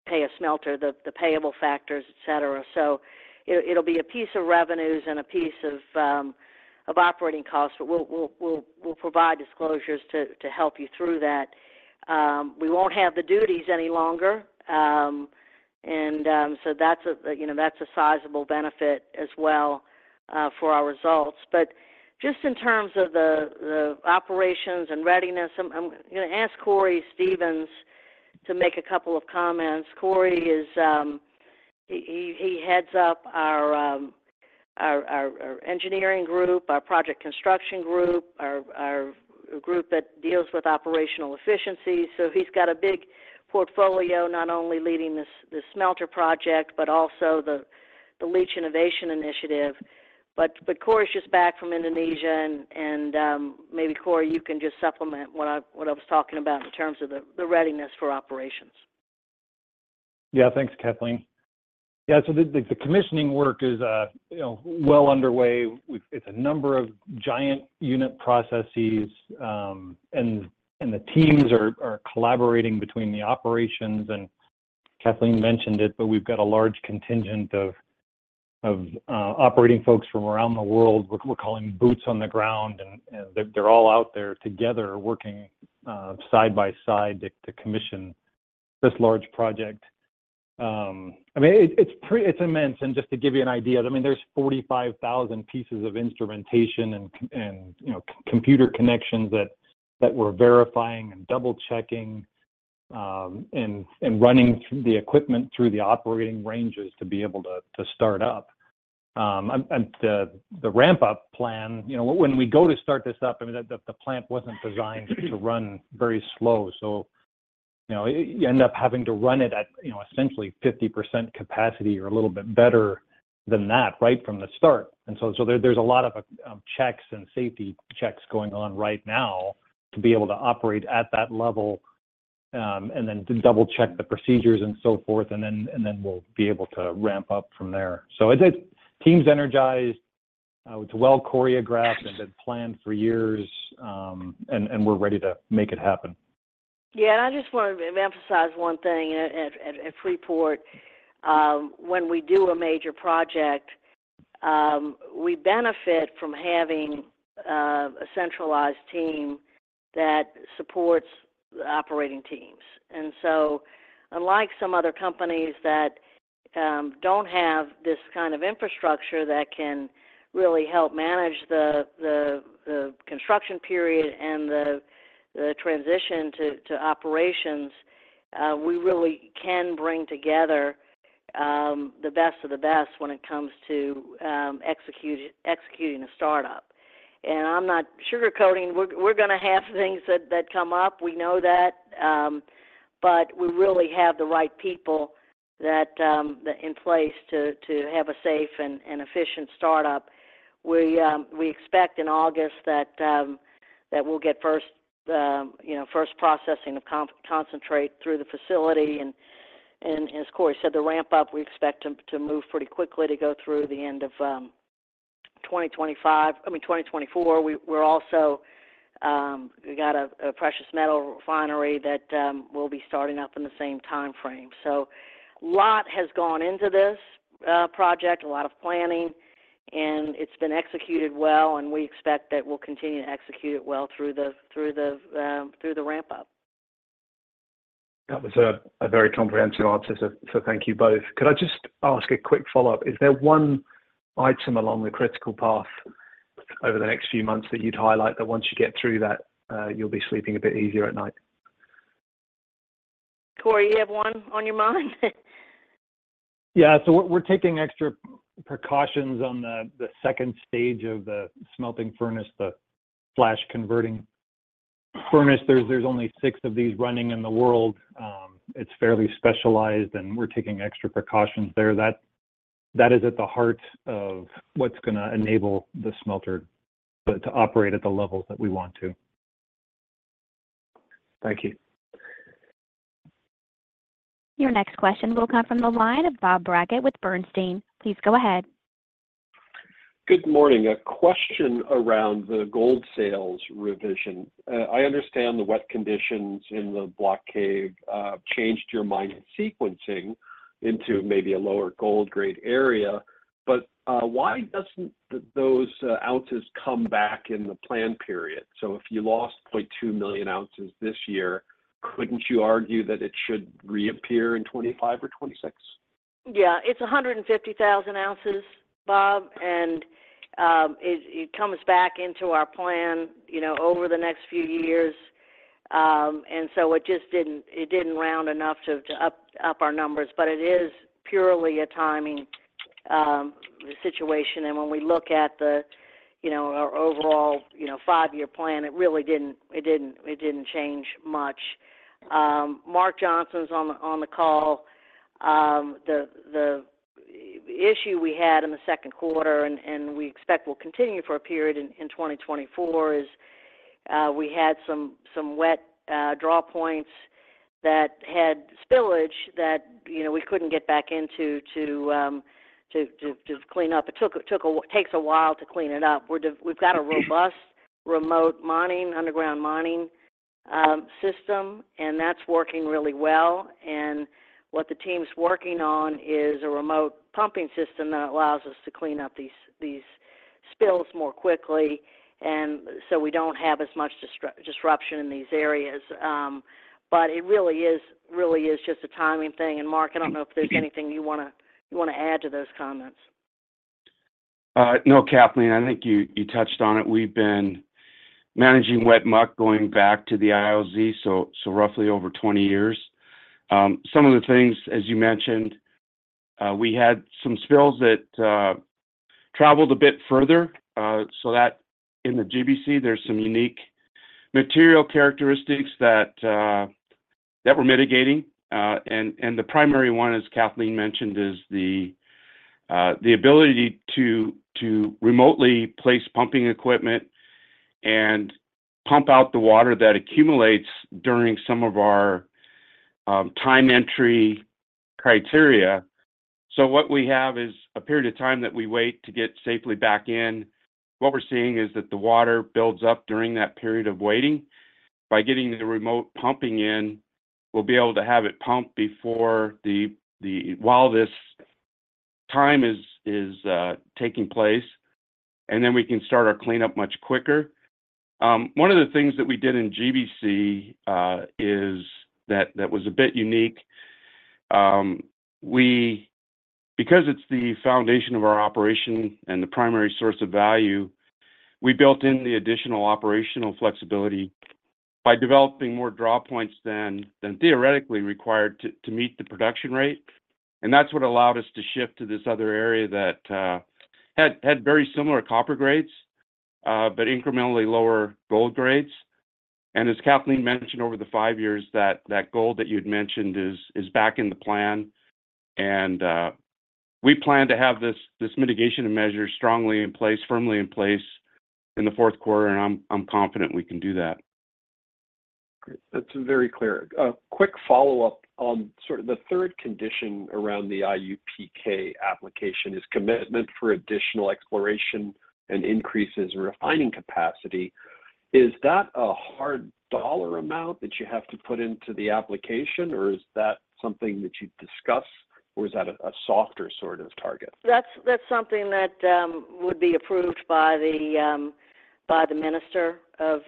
pay a smelter, the payable factors, et cetera. So it'll be a piece of revenues and a piece of operating cost. But we'll provide disclosures to help you through that. We won't have the duties any longer, and so that's a sizable benefit as well for our results. But just in terms of the operations and readiness, I'm going to ask Cory Stevens to make a couple of comments. Cory is, he heads up our engineering group, our project construction group, our group that deals with operational efficiencies. So he's got a big portfolio not only leading the smelter project, but also the leach innovation initiative. But Cory's just back from Indonesia and maybe Cory, you can just supplement what I, what I was talking about in terms of the readiness for operations. Yeah. Thanks, Kathleen. Yeah. So the commissioning work is well underway. It's a number of giant unit processes and the teams are collaborating between the operations and Kathleen mentioned it, but we've got a large contingent of operating folks from around the world we're calling boots on the ground and they're all out there together working side by side to commission this large project. I mean, it's pretty, it's immense. And just to give you an idea, I mean there's 45,000 pieces of instrumentation and computer connections that we're verifying and double checking and running the equipment through the operating ranges to be able to start up. The ramp-up plan when we go to start this up. The plant wasn't designed to run very slow. So you end up having to run it at essentially 50% capacity or a little bit better than that right from the start. And so there's a lot of checks and safety checks going on right now to be able to operate at that level and then double check the procedures and so forth, and then we'll be able to ramp up from there. So teams energized. It's well choreographed and been planned for years, and we're ready to make it happen. Yeah. I just want to emphasize one thing. At Freeport, when we do a major project, we benefit from having a centralized team that supports operating teams. And so unlike some other companies that don't have this kind of infrastructure that can really help manage the construction period and the transition to operations, we really can bring together the best of the best when it comes to executing a startup. And I'm not sugarcoating. We're going to have things that come up, we know that. But we really have the right people in place to have a safe and efficient startup with. We expect in August that we'll get first, you know, first processing of concentrate through the facility. And as Cory said, the ramp up, we expect to move pretty quickly to go through the end of 2025, I mean 2024. We're also. We got a precious metal refinery that will be starting up in the same time frame. So a lot has gone into this project, a lot of planning and it's been executed well. And we expect that we'll continue to execute it well through the ramp up. That was a very comprehensive answer. Thank you both. Could I just ask a quick follow up? Is there one item along the critical path over the next few months that you'd highlight that once you get through that, you'll be sleeping a bit easier at night? Cory, you have one on your mind. Yeah. So we're taking extra precautions on the second stage of the smelting furnace, the flash converting furnace. There's only six of these running in the world. It's fairly specialized. And we're taking extra precautions there. That is at the heart of what's going to enable the smelter to operate at the levels that we want to. Thank you. Your next question will come from the line of Bob Brackett with Bernstein. Please go ahead. Good morning. A question around the gold sales revision. I understand the wet conditions in the block cave changed your mining sequencing into maybe a lower gold grade area. But why doesn't those ounces come back in the plan, period? So if you lost 0.2 million ounces this year, couldn't you argue that it should reappear in 2025 or 2026? Yeah, it's 150,000 ounces, Bob. And it comes back into our plan, you know, over the next few years. And so it just didn't, it didn't round enough to up our numbers. But it is purely a timing situation. And when we look at the, you know, our overall, you know, five-year plan, it really didn't, it didn't. It didn't change much. Mark Johnson's on the call. The issue we had in the second quarter and we expect will continue for a period in 2024 is we had some wet draw points that had spillage that we couldn't get back into to clean up. It takes a while to clean it up. We've got a robust remote mining underground mining system and that's working really well. And what the team's working on is a remote pumping system that allows us to clean up these spills more quickly. So we don't have as much disruption in these areas. But it really is just a timing thing. And Mark, I don't know if there's anything you want to add to those comments. No, Kathleen, I think you touched on it. We've been managing wet muck going back to the IOZ, so roughly over 20 years. Some of the things, as you mentioned, we had some spills that traveled a bit further. So that in the GBC there's some unique material characteristics that we're mitigating. And the primary one, as Kathleen mentioned, is the ability to remotely place pumping equipment and pump out the water that accumulates during some of our time entry criteria. So what we have is a period of time that we wait to get safely back in. What we're seeing is that the water builds up during that period of waiting. By getting the remote pumping in, we'll be able to have it pump before the while this time is taking place and then we can start our cleanup much quicker. One of the things that we did in GBC is that that was a bit unique. We, because it's the foundation of our operation and the primary source of value, we built in the additional operational flexibility by developing more draw points than theoretically required to meet the production rate. And that's what allowed us to shift to this other area that had very similar copper grades, but incrementally lower gold grades. And as Kathleen mentioned, over the five years, the gold that you'd mentioned is back in the plan. And we plan to have this mitigation measure strongly in place, firmly in place in the fourth quarter, I'm confident we can do that. That's very clear. A quick follow up on sort of the third condition around the IUPK application is commitment for additional exploration and increases in refining capacity. Is that a hard dollar amount that you have to put into the application or is that something that you discuss or is that a softer sort of target? That's something that would be approved by the Minister of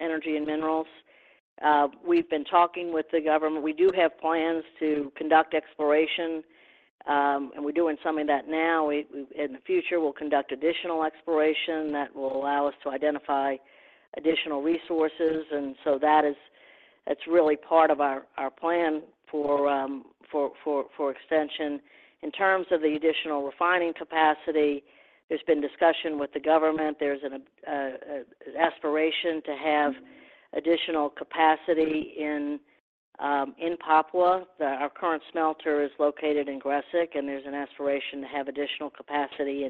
Energy and Minerals. We've been talking with the government. We do have plans to conduct exploration and we're doing some of that now. In the future we'll conduct additional exploration that will allow us to identify additional resources. And so that is, that's really part of our plan. For extension. In terms of the additional refining capacity, there's been discussion with the government. There's an aspiration to have additional capacity in Papua. Our current smelter is located in Gresik and there's an aspiration to have additional capacity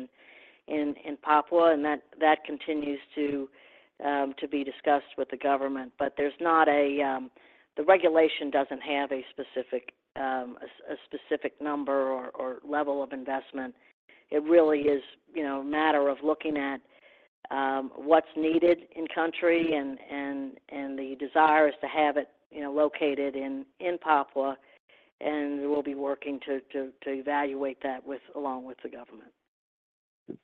in Papua and that continues to be discussed with the government. But there's not a, the regulation doesn't have a specific, a specific number or level of investment. It really is, you know, a matter of looking at what's needed in country and the desire is to have it, you know, located in Papua. We'll be working to evaluate that along with the government.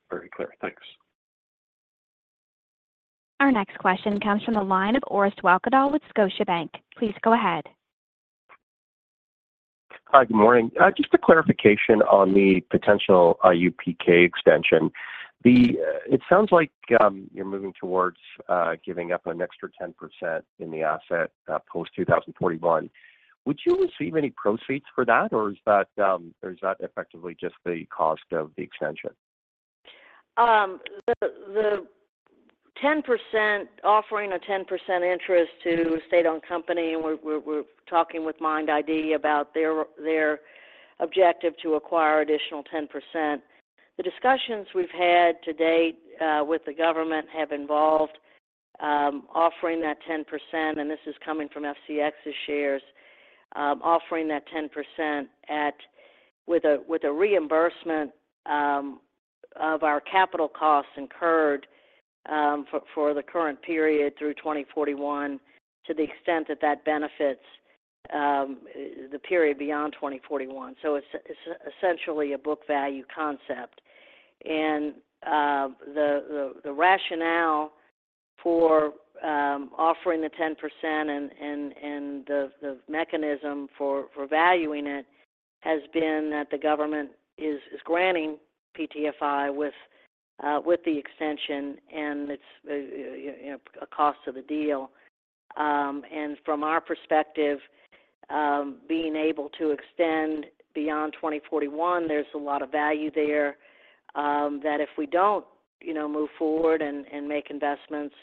Very clear, thanks. Our next question comes from the line of Orest Wowkodaw with Scotiabank. Please go ahead. Hi, good morning. Just a clarification on the potential IUPK extension. It sounds like you're moving towards giving up an extra 10% in the asset post 2041. Would you receive any proceeds for that or is that effectively just the cost of the extension? The 10% offering a 10% interest to state-owned company and we're talking with MIND ID about their objective to acquire additional 10%. The discussions we've had to date with the government have involved offering that 10% and this is coming from FCX's shares offering that 10% at with a reimbursement of our capital costs incurred for the current period through 2041 to the extent that that benefits the period beyond 2041. So it's essentially a book value concept and the rationale for offering the 10% and the mechanism for valuing it has been that the government is granting PT-FI with the extension and it's a cost of the deal. From our perspective being able to extend beyond 2041, there's a lot of value there that if we don't, you know, move forward and make investments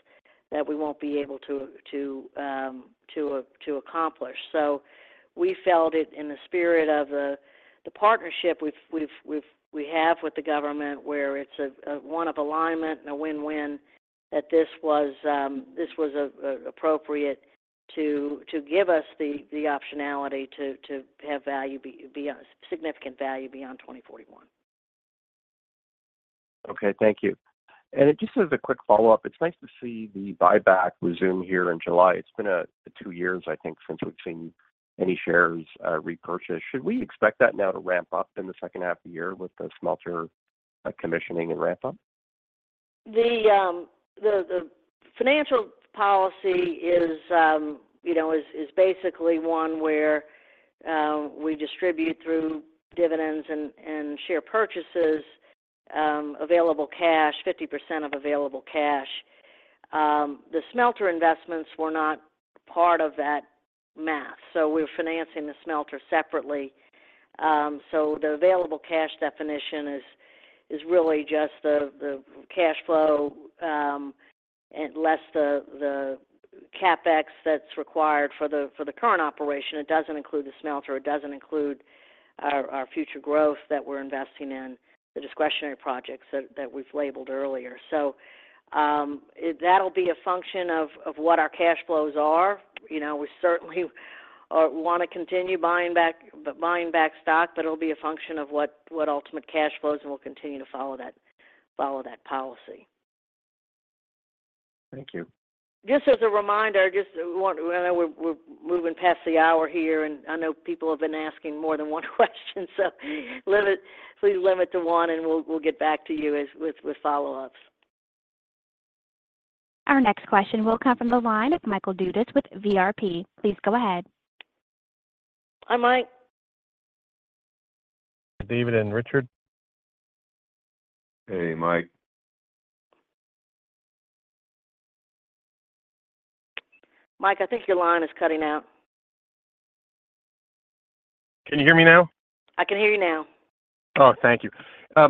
that we won't be able to accomplish. We felt it in the spirit of the partnership we have with the government, where it's one of alignment and a win win, that this was appropriate to give us the optionality to have significant value beyond 2041. Okay, thank you. And just as a quick follow up, it's nice to see the buyback resume here in July. It's been two years I think since we've seen any shares repurchased. Should we expect that now to ramp up in the second half of the year with the smelter commissioning and ramp up? The financial policy is, you know, basically one where we distribute through dividends and share purchases available cash 50% of available cash. The smelter investments were not part of that math. So we're financing the smelter separately. So the available cash definition is really just the cash flow less the CapEx that's required for the current operation. It doesn't include the smelter, it doesn't include our future growth that we're investing in the discretionary projects that we've labeled earlier. So that'll be a function of what our cash flows are. You know, we certainly want to continue buying back, buying back stock, but it'll be a function of what ultimate cash flows and we'll continue to follow that, follow that policy. Thank you. Just as a reminder, just, we're moving past the hour here and I know people have been asking more than one question, so please limit to one and we'll get back to you with follow-ups. Our next question will come from the line of Michael Dudas with VRP. Please go ahead. Hi Mike. David and Richard. Hey, Mike. Mike, I think your line is cutting out. Can you hear me now? I can hear you now. Oh, thank you.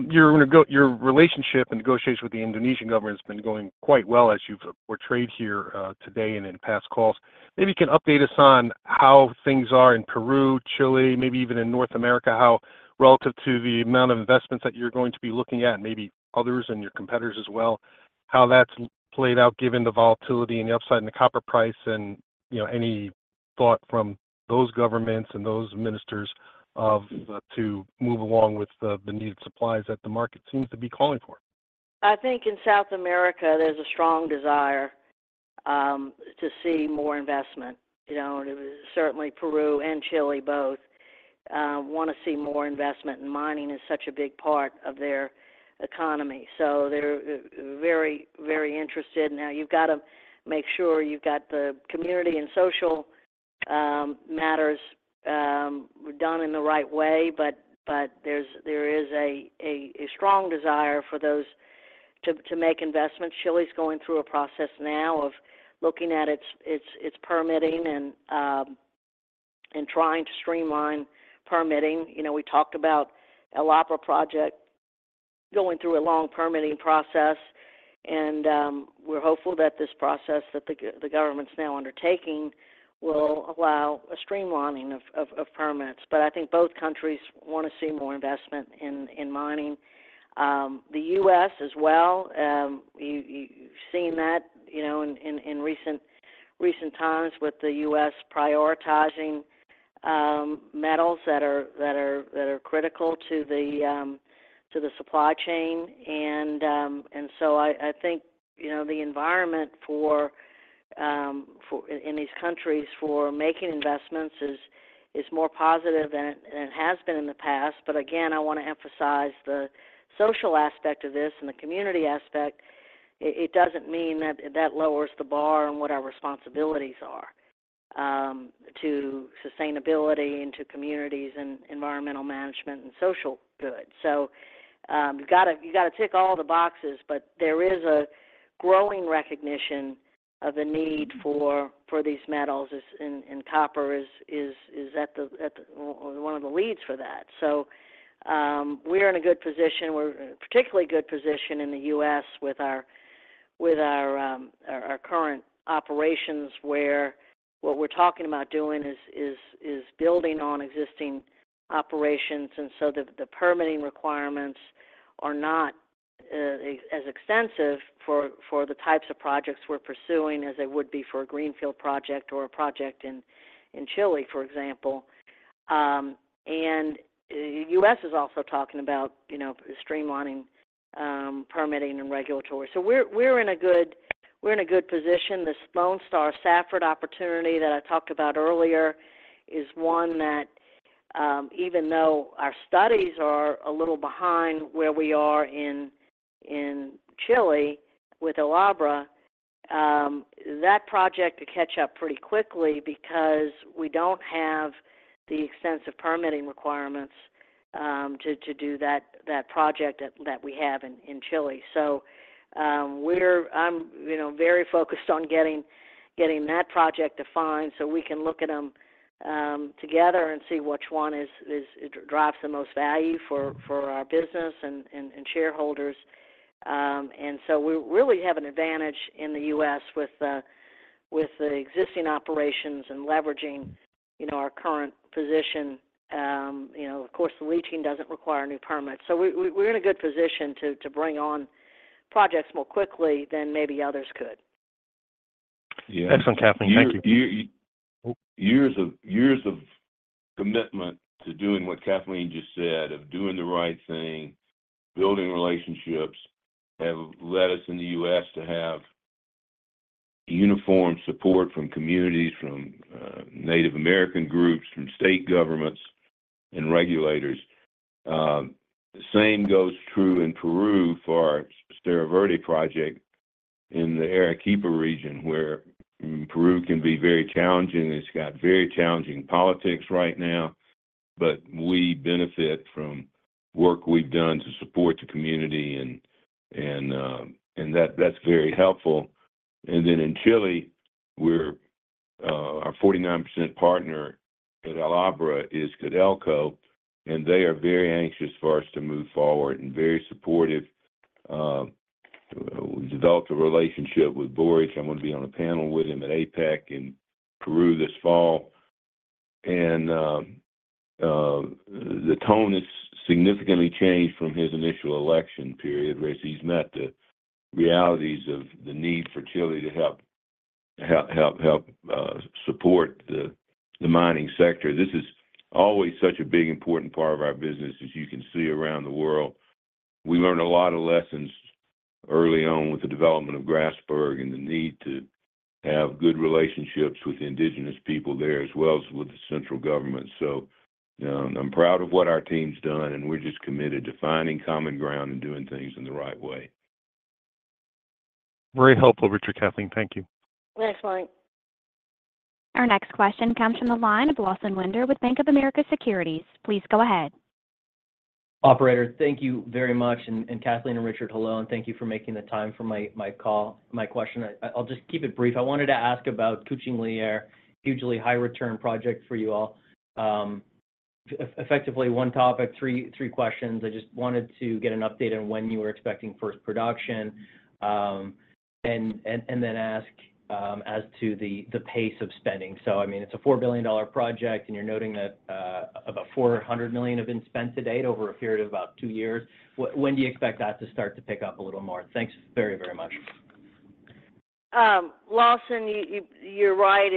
You're going to go. Your relationship and negotiations with the Indonesian government has been going quite well as you've portrayed here today and in past calls. Maybe you can update us on how things are in Peru, Chile, maybe even in North America, how relative to the amount of investments that you're going to be looking at, maybe others and your competitors as well, how that's played out given the volatility and the upside in the copper price and you know, any thought from those governments and those ministers to move along with the needed supplies that the market seems to be calling for? I think in South America there's a strong desire to see more investment. You know, certainly Peru and Chile both want to see more investment and mining is such a big part of their economy. So they're very, very interested. Now you've got to make sure you've got the community and social matters done in the right way. But there is a strong desire for those to make investments. Chile's going through a process now of looking at its permitting and trying to streamline permitting. We talked about an El Abra project going through a long permitting process and we're hopeful that this process that the government's now undertaking will allow a streamlining of permits. But I think both countries want to see more investment in mining. The U.S. as well. You've seen that in recent times with the U.S. prioritizing metals that are critical to the supply chain. I think, you know, the environment in these countries for making investments is more positive than it has been in the past. But again, I want to emphasize the social aspect of this and the community aspect. It doesn't mean that that lowers the bar on what our responsibilities are to sustainability and to communities and environmental management and social good. So you've got to tick all the boxes. But there is a growing recognition of the need for these metals and copper is one of the leaders for that. So we're in a good position. We're in a particularly good position in the U.S. with our current operations, where what we're talking about doing is building on existing operations. The permitting requirements are not as extensive for the types of projects we're pursuing as they would be for a greenfield project or a project in Chile, for example. U.S. is also talking about streamlining permitting and regulatory. We're in a good position. This Lone Star Safford opportunity that I talked about earlier is one that even though our studies are a little behind where we are in Chile with El Abra, that project could catch up pretty quickly because we don't have the extensive permitting requirements to do that project that we have in Chile. I'm very focused on getting that project defined so we can look at them together and see which one drives the most value for our business and shareholders. We really have an advantage in the U.S. with the existing operations and leveraging our current position. Of course, the leaching doesn't require new permits, so we're in a good position to bring on projects more quickly than maybe others could. Excellent, Kathleen, thank you. Years of years of commitment to doing what Kathleen just said of doing the right thing. Building relationships have led us in the U.S. to have uniform support from communities, from Native American groups, from state governments and regulators. The same goes true in Peru for Cerro Verde project in the Arequipa region, where Peru can be very challenging. It's got very challenging politics right now, but we benefit from work we've done to support the community and that's very helpful. And then in Chile, we're our 49% partner at El Abra is Codelco and they are very anxious for us to move forward and very supportive. We developed a relationship with Boric. I'm going to be on a panel with him at APEC in Peru this fall and the tone is significantly changed from his initial election period where he's met the realities of the need for Chile to help support the mining sector. This is always such a big important part of our business as you can see around the world. We learned a lot of lessons early on with the development of Grasberg and the need to have good relationships with indigenous people there as well as with the central government. So I'm proud of what our team's done and we're just committed to finding common ground and doing things in the right way. Very helpful, Richard, Kathleen, thank you. Thanks Mike. Our next question comes from the line of Lawson Winder with Bank of America Securities. Please go ahead, operator. Thank you very much. And Kathleen and Richard, hello and thank you for making the time for my call. My question, I'll just keep it brief. I wanted to ask about Kucing Liar hugely high return project for you all. Effectively one topic, three questions. I just wanted to get an update on when you were expecting first production and then ask as to the pace of spending. So I mean it's a $4 billion project and you're noting that about $400 million have been spent to date over a period of about two years. When do you expect that to start to pick up a little more? Thanks very, very much. Lawson. You're right.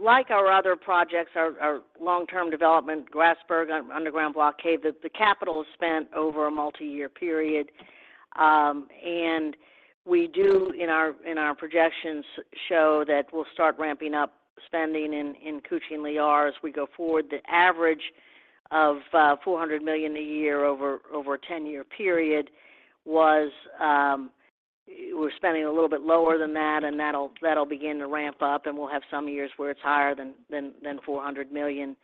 Like our other projects, our long-term development, Grasberg Underground Block Cave, the capital is spent over a multi-year period. We do in our projections show that we'll start ramping up spending in Kucing Liar as we go forward. The average of $400 million a year over a 10-year period is. We're spending a little bit lower than that and that'll begin to ramp up and we'll have some years where it's higher than $400 million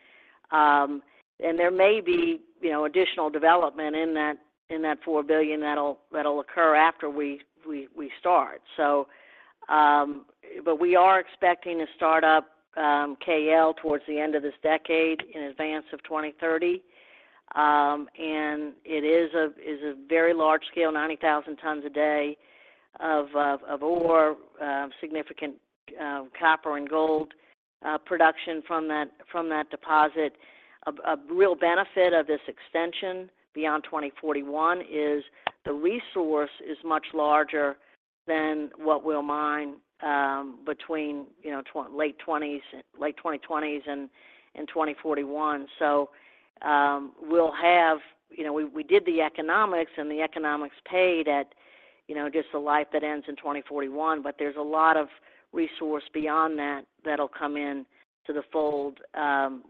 and there may be additional development in that $4 billion that'll occur after we start. But we are expecting to start up KL towards the end of this decade in advance of 2030. It is a very large-scale, 90,000 tons a day of ore, significant copper and gold production from that deposit. A real benefit of this extension beyond 2041 is the resource is much larger than what we'll mine between, you know, late 20s, late 2020s and 2041. So we'll have, you know, we did the economics and the economics paid at, you know, just the life that ends in 2041. But there's a lot of resource beyond that that'll come in to the fold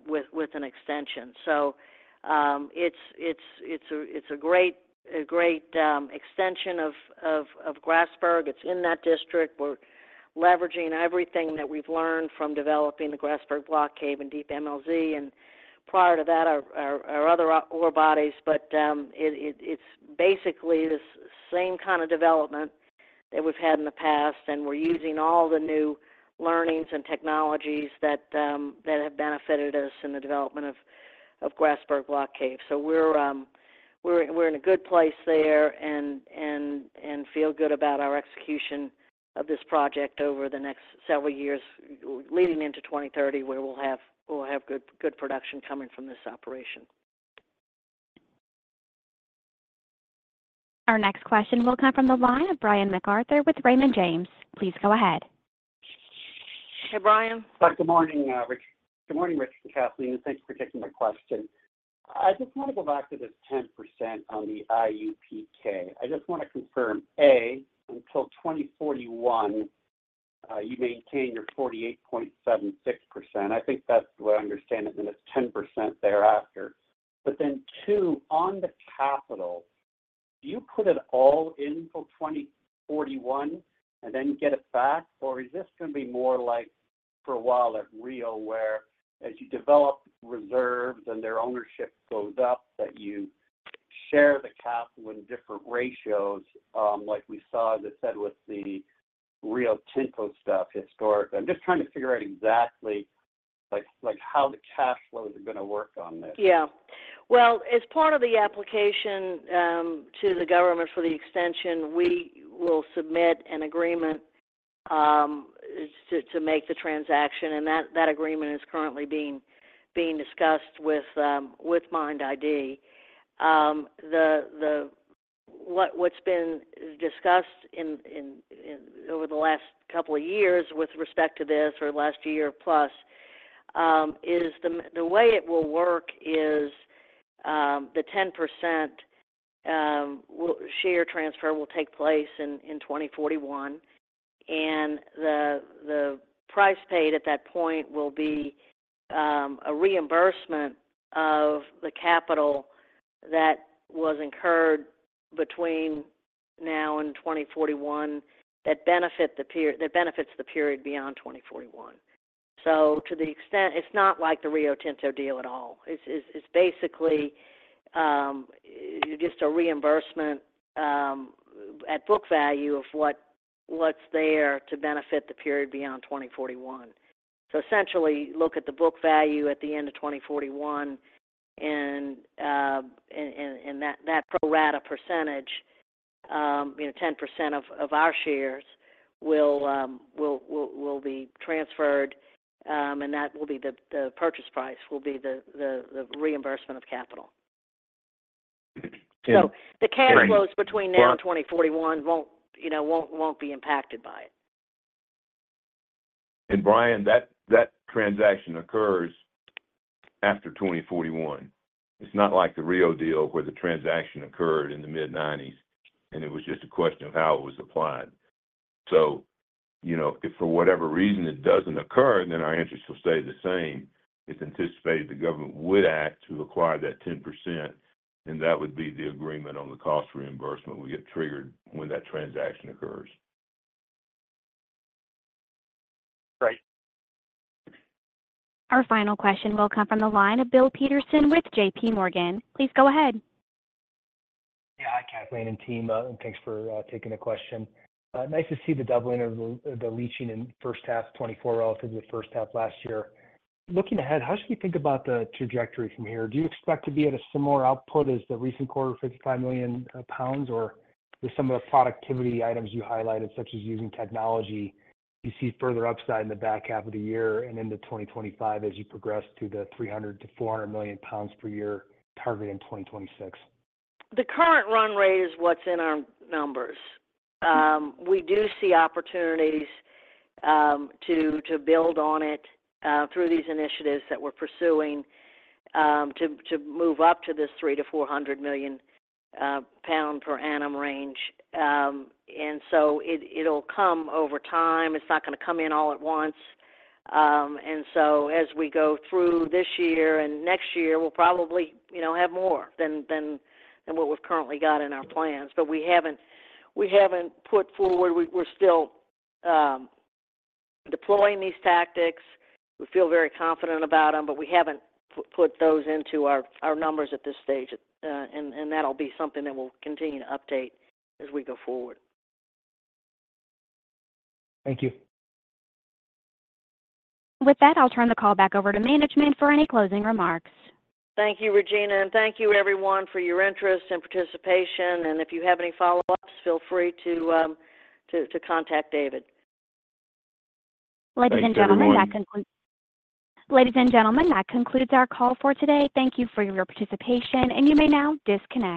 with an extension. So it's a great extension of Grasberg. It's in that district. We're leveraging everything that we've learned from developing the Grasberg Block Cave and Deep MLZ and prior to that our other ore bodies. But it's basically the same kind of development that we've had in the past. And we're using all the new learnings and technologies that have benefited us in the development of, of Grasberg Block Cave. So we're in a good place there and feel good about our execution of this project over the next several years leading into 2030, where we'll have good production coming from this operation. Our next question will come from the line of Brian MacArthur with Raymond James. Please go ahead. Hey, Brian. Good morning, Richard. Good morning, Richard and Kathleen. And thank you for taking the question. I just want to go back to this 10% on the IUPK. I just want to confirm until 2041, you maintain your 48.76%. I think that's the way I understand it. And it's 10% thereafter, but then two on the capital. Do you put it all in for 2041 and then get it back, or is this going to be more like for a while at Rio where as you develop reserves and their ownership goes up, that you share the capital in different ratios like we saw, as I said with the Rio Tinto stuff historically, I'm just trying to figure out exactly like how the cash flows are going to work on this. Yeah. Well, as part of the application to the government for the extension, we will submit an agreement to make the transaction. And that agreement is currently being discussed with MIND ID. What's been discussed over the last couple of years with respect to this or last year plus is the way it will work is the 10% share transfer will take place in 2041 and the price paid at that point will be a reimbursement of the capital that was incurred between now and 2041 that benefits the period beyond 2041. So to the extent it's not like the Rio Tinto deal at all, it's basically just a reimbursement at book value of what's there to benefit the period beyond 2041. So essentially look at the book value at the end of 2041 and that pro rata percentage, 10% of our shares will be transferred and that will be the purchase price, will be the reimbursement of capital. So the cash flows between now and 2041 won't, you know, won't be impacted by it. Brian, that transaction occurs after 2041. It's not like the Rio deal where the transaction occurred in the mid-90s and it was just a question of how it was applied. So, you know, if for whatever reason, it doesn't occur, then our interest will stay the same. It's anticipated the government would act to acquire that 10% and that would be the agreement on the cost. Reimbursement would get triggered when that transaction occurs. Great. Our final question will come from the line of Bill Peterson with J.P. Morgan. Please go ahead. Yeah. Hi Kathleen and team, thanks for taking the question. Nice to see the doubling of the leaching in first half 2024 relative to the first half last year. Looking ahead, how should we think about the trajectory from here? Do you expect to be at a similar output as the recent quarter, $55 million or with some of the productivity items you highlighted, such as using technology? You see further upside in the back half of the year and into 2025 as you progress to the 300 million-400 million pounds per year target in 2026. The current run rate is what's in our numbers. We do see opportunities to build on it through these initiatives that we're pursuing to move up to this 300 million-400 million pounds per annum range. And so it'll come over time. It's not going to come in all at once. And so as we go through this year and next year, we'll probably, you know, have more than what we've currently got in our plans. But we haven't, we haven't put forward, we're still deploying these tactics, we feel very confident about them, but we haven't put those into our numbers at this stage. And that will be something that we'll continue to update as we go forward. Thank you. With that, I'll turn the call back over to management for any closing remarks. Thank you, Regina, and thank you, everyone, for your interest and participation. If you have any follow-ups, feel free to contact David. Ladies and gentlemen, ladies and gentlemen, that concludes our call for today. Thank you for your participation and you may now disconnect.